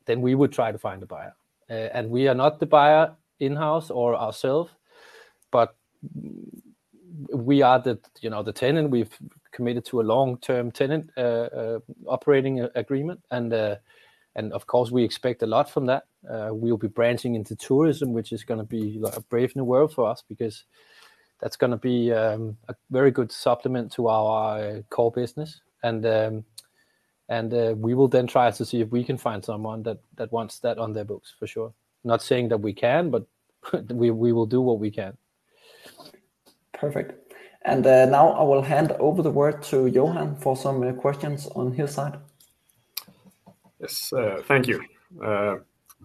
then we would try to find a buyer. And we are not the buyer in-house or ourselves, but we are the, you know, the tenant. We've committed to a long-term tenant operating agreement, and of course, we expect a lot from that. We'll be branching into tourism, which is gonna be like a brave new world for us because that's gonna be a very good supplement to our core business. We will then try to see if we can find someone that wants that on their books, for sure. Not saying that we can, but we will do what we can. Perfect. Now I will hand over the word to Johan for some questions on his side.... Yes, thank you.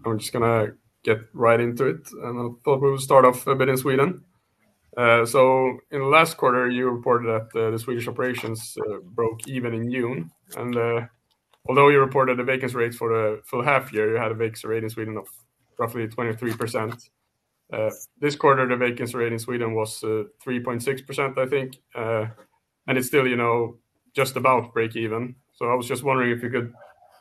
I'm just gonna get right into it, and I thought we would start off a bit in Sweden. So in the last quarter, you reported that the Swedish operations broke even in June. And although you reported the vacancy rates for the half year, you had a vacancy rate in Sweden of roughly 23%. This quarter, the vacancy rate in Sweden was 3.6%, I think. And it's still, you know, just about break even. So I was just wondering if you could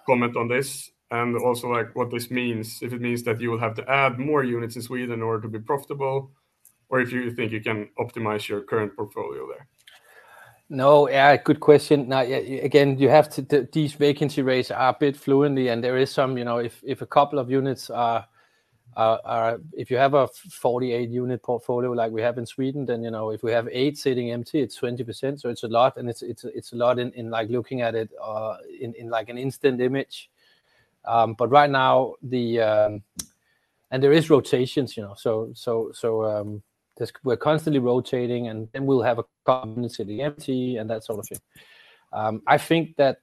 comment on this and also, like, what this means, if it means that you will have to add more units in Sweden in order to be profitable, or if you think you can optimize your current portfolio there? No, yeah, good question. Now, yeah, again, you have to—these vacancy rates are a bit fluid, and there is some, you know, if a couple of units are—if you have a 48-unit portfolio like we have in Sweden, then, you know, if we have eight sitting empty, it's 20%, so it's a lot. And it's a lot in, like, looking at it in, like, an instant image. But right now, the... And there is rotations, you know, so there's—we're constantly rotating, and then we'll have apartments sitting empty and that sort of thing. I think that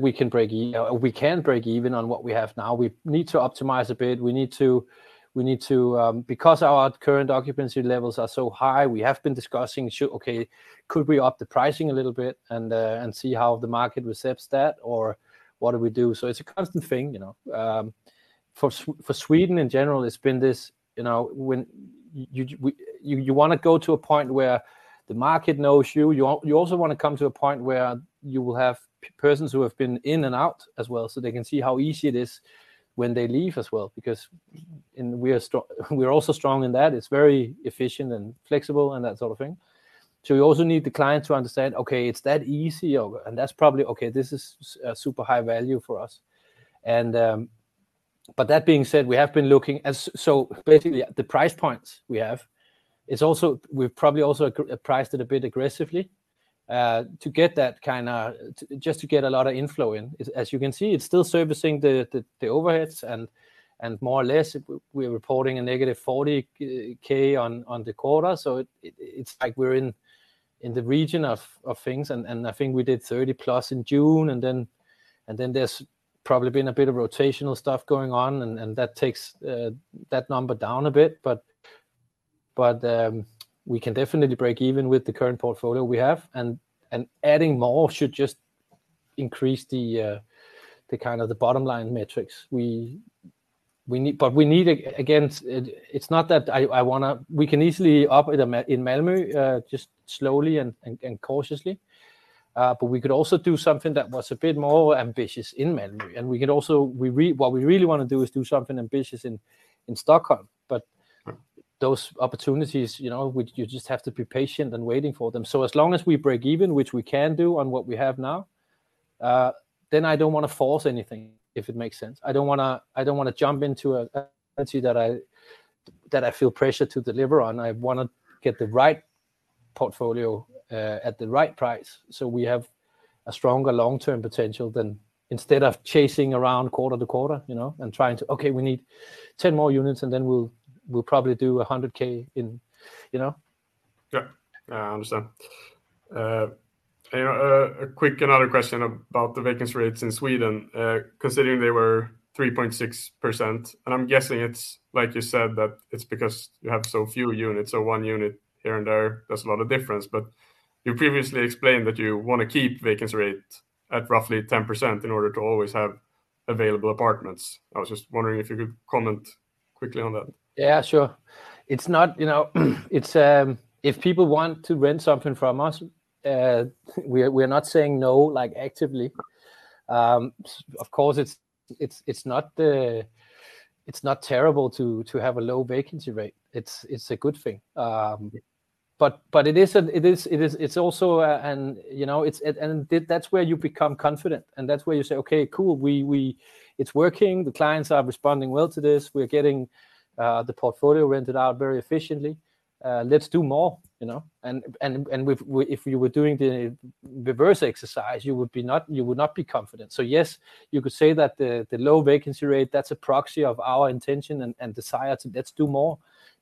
we can break—we can break even on what we have now. We need to optimize a bit. We need to... Because our current occupancy levels are so high, we have been discussing should okay could we up the pricing a little bit and and see how the market accepts that, or what do we do? So it's a constant thing, you know. For Sweden in general, it's been this, you know, when you want to go to a point where the market knows you. You also want to come to a point where you will have persons who have been in and out as well, so they can see how easy it is when they leave as well, because and we are also strong in that. It's very efficient and flexible and that sort of thing. So we also need the client to understand, "Okay, it's that easy?" And that's probably, "Okay, this is super high value for us." And, but that being said, we have been looking so basically, the price points we have, it's also we've probably also priced it a bit aggressively to get that kind of... Just to get a lot of inflow in. As you can see, it's still servicing the overheads and more or less, we're reporting a negative 40,000 on the quarter. So it's like we're in the region of things, and I think we did 30+ in June, and then there's probably been a bit of rotational stuff going on, and that takes that number down a bit. But, we can definitely break even with the current portfolio we have, and adding more should just increase the kind of the bottom-line metrics. We need... But we need, again, it's not that I wanna—we can easily up in Malmö, just slowly and cautiously. But we could also do something that was a bit more ambitious in Malmö, and we could also, what we really wanna do is do something ambitious in Stockholm, but- Mm... those opportunities, you know, we—you just have to be patient and waiting for them. So as long as we break even, which we can do on what we have now, then I don't want to force anything, if it makes sense. I don't wanna, I don't wanna jump into a vacancy that I, that I feel pressure to deliver on. I want to get the right portfolio, at the right price, so we have a stronger long-term potential than instead of chasing around quarter to quarter, you know, and trying to, "Okay, we need 10 more units, and then we'll, we'll probably do 100,000 in..." You know? Yeah. I understand. And, a quick another question about the vacancy rates in Sweden, considering they were 3.6%, and I'm guessing it's like you said, that it's because you have so few units, so one unit here and there, that's a lot of difference. But you previously explained that you want to keep vacancy rate at roughly 10% in order to always have available apartments. I was just wondering if you could comment quickly on that. Yeah, sure. It's not, you know, it's if people want to rent something from us, we're not saying no, like, actively. Of course, it's not terrible to have a low vacancy rate. It's a good thing. But it is also an... You know, and that's where you become confident, and that's where you say, "Okay, cool, we-- it's working. The clients are responding well to this. We're getting the portfolio rented out very efficiently. Let's do more," you know? And if we were doing the reverse exercise, you would not be confident. So yes, you could say that the low vacancy rate, that's a proxy of our intention and desire to let's do more,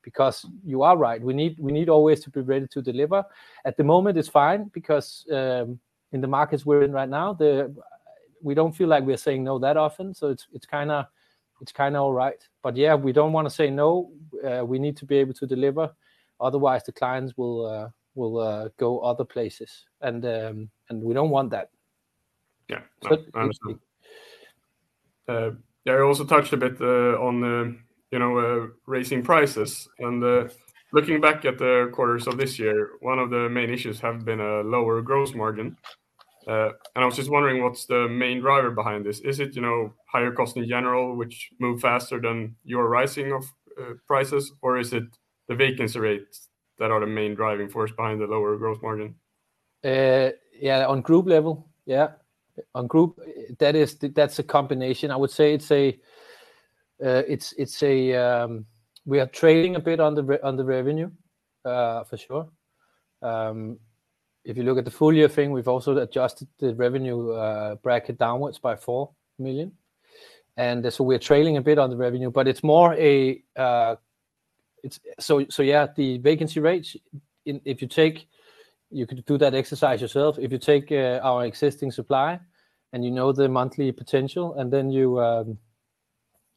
because you are right. We need always to be ready to deliver. At the moment, it's fine because in the markets we're in right now, the, we don't feel like we're saying no that often, so it's kind of all right. But yeah, we don't want to say no. We need to be able to deliver, otherwise the clients will go other places, and we don't want that. Yeah, no, I understand. But- You also touched a bit on you know raising prices, and looking back at the quarters of this year, one of the main issues have been a lower gross margin. And I was just wondering, what's the main driver behind this? Is it you know higher costs in general, which move faster than your rising of prices, or is it the vacancy rates that are the main driving force behind the lower gross margin? Yeah, on group level? Yeah, on group, that is, that's a combination. I would say it's a... We are trailing a bit on the revenue, for sure. If you look at the full year thing, we've also adjusted the revenue bracket downwards by 4 million, and so we're trailing a bit on the revenue. But it's more a... it's, so, so yeah, the vacancy rates, if you take-- you could do that exercise yourself. If you take our existing supply, and you know the monthly potential, and then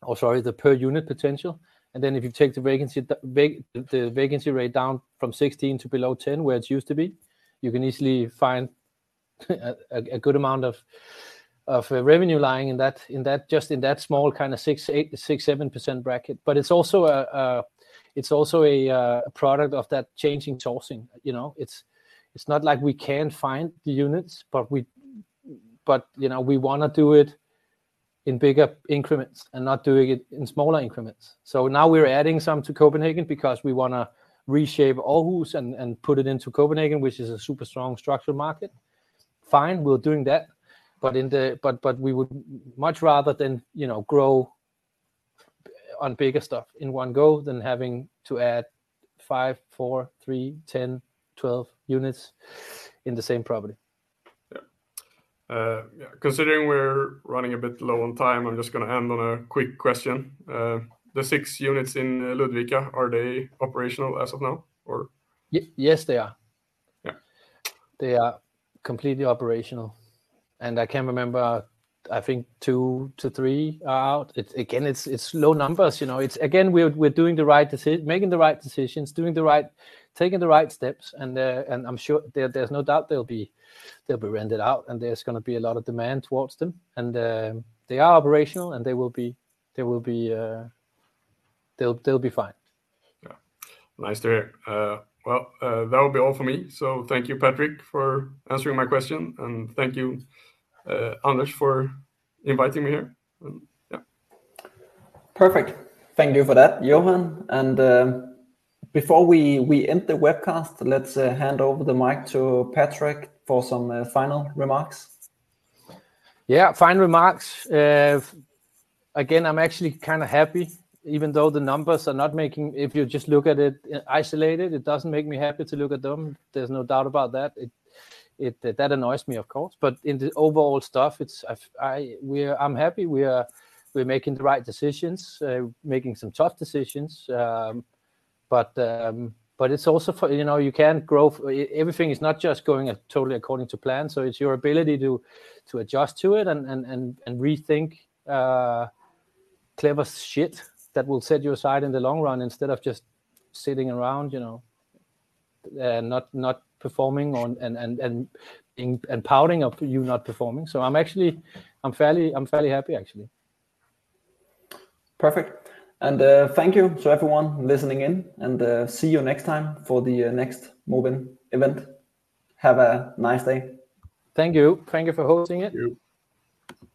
the per unit potential, and then if you take the vacancy rate down from 16 to below 10, where it used to be, you can easily find a good amount of revenue lying in that, just in that small kind of 6.8%-6.7% bracket. But it's also a product of that changing sourcing. You know, it's not like we can't find the units, but you know, we wanna do it in bigger increments and not doing it in smaller increments. So now we're adding some to Copenhagen because we wanna reshape Aarhus and put it into Copenhagen, which is a super strong structural market. Fine, we're doing that, but we would much rather than, you know, grow on bigger stuff in one go than having to add five, four, three, 10, 12 units in the same property. Yeah. Yeah, considering we're running a bit low on time, I'm just gonna end on a quick question. The six units in Ludvika, are they operational as of now, or? Yes, they are. Yeah. They are completely operational, and I can't remember; I think two to three are out. It's, again, low numbers, you know. It's, again, we're making the right decisions, taking the right steps, and I'm sure there's no doubt they'll be rented out, and there's gonna be a lot of demand towards them. They are operational, and they will be fine. Yeah. Nice to hear. Well, that would be all for me. So thank you, Patrick, for answering my question, and thank you, Anders, for inviting me here. Yeah. Perfect. Thank you for that, Johan. And before we end the webcast, let's hand over the mic to Patrick for some final remarks. Yeah, final remarks. Again, I'm actually kind of happy, even though the numbers are not making... If you just look at it isolated, it doesn't make me happy to look at them. There's no doubt about that. That annoys me, of course, but in the overall stuff, I'm happy we're making the right decisions, making some tough decisions. But it's also, you know, you can't grow everything is not just going totally according to plan, so it's your ability to adjust to it and rethink clever shit that will set you aside in the long run, instead of just sitting around, you know, and not performing on and pouting of you not performing. So I'm actually fairly happy, actually. Perfect. And, thank you to everyone listening in, and, see you next time for the next Movinn event. Have a nice day. Thank you. Thank you for hosting it. Thank you.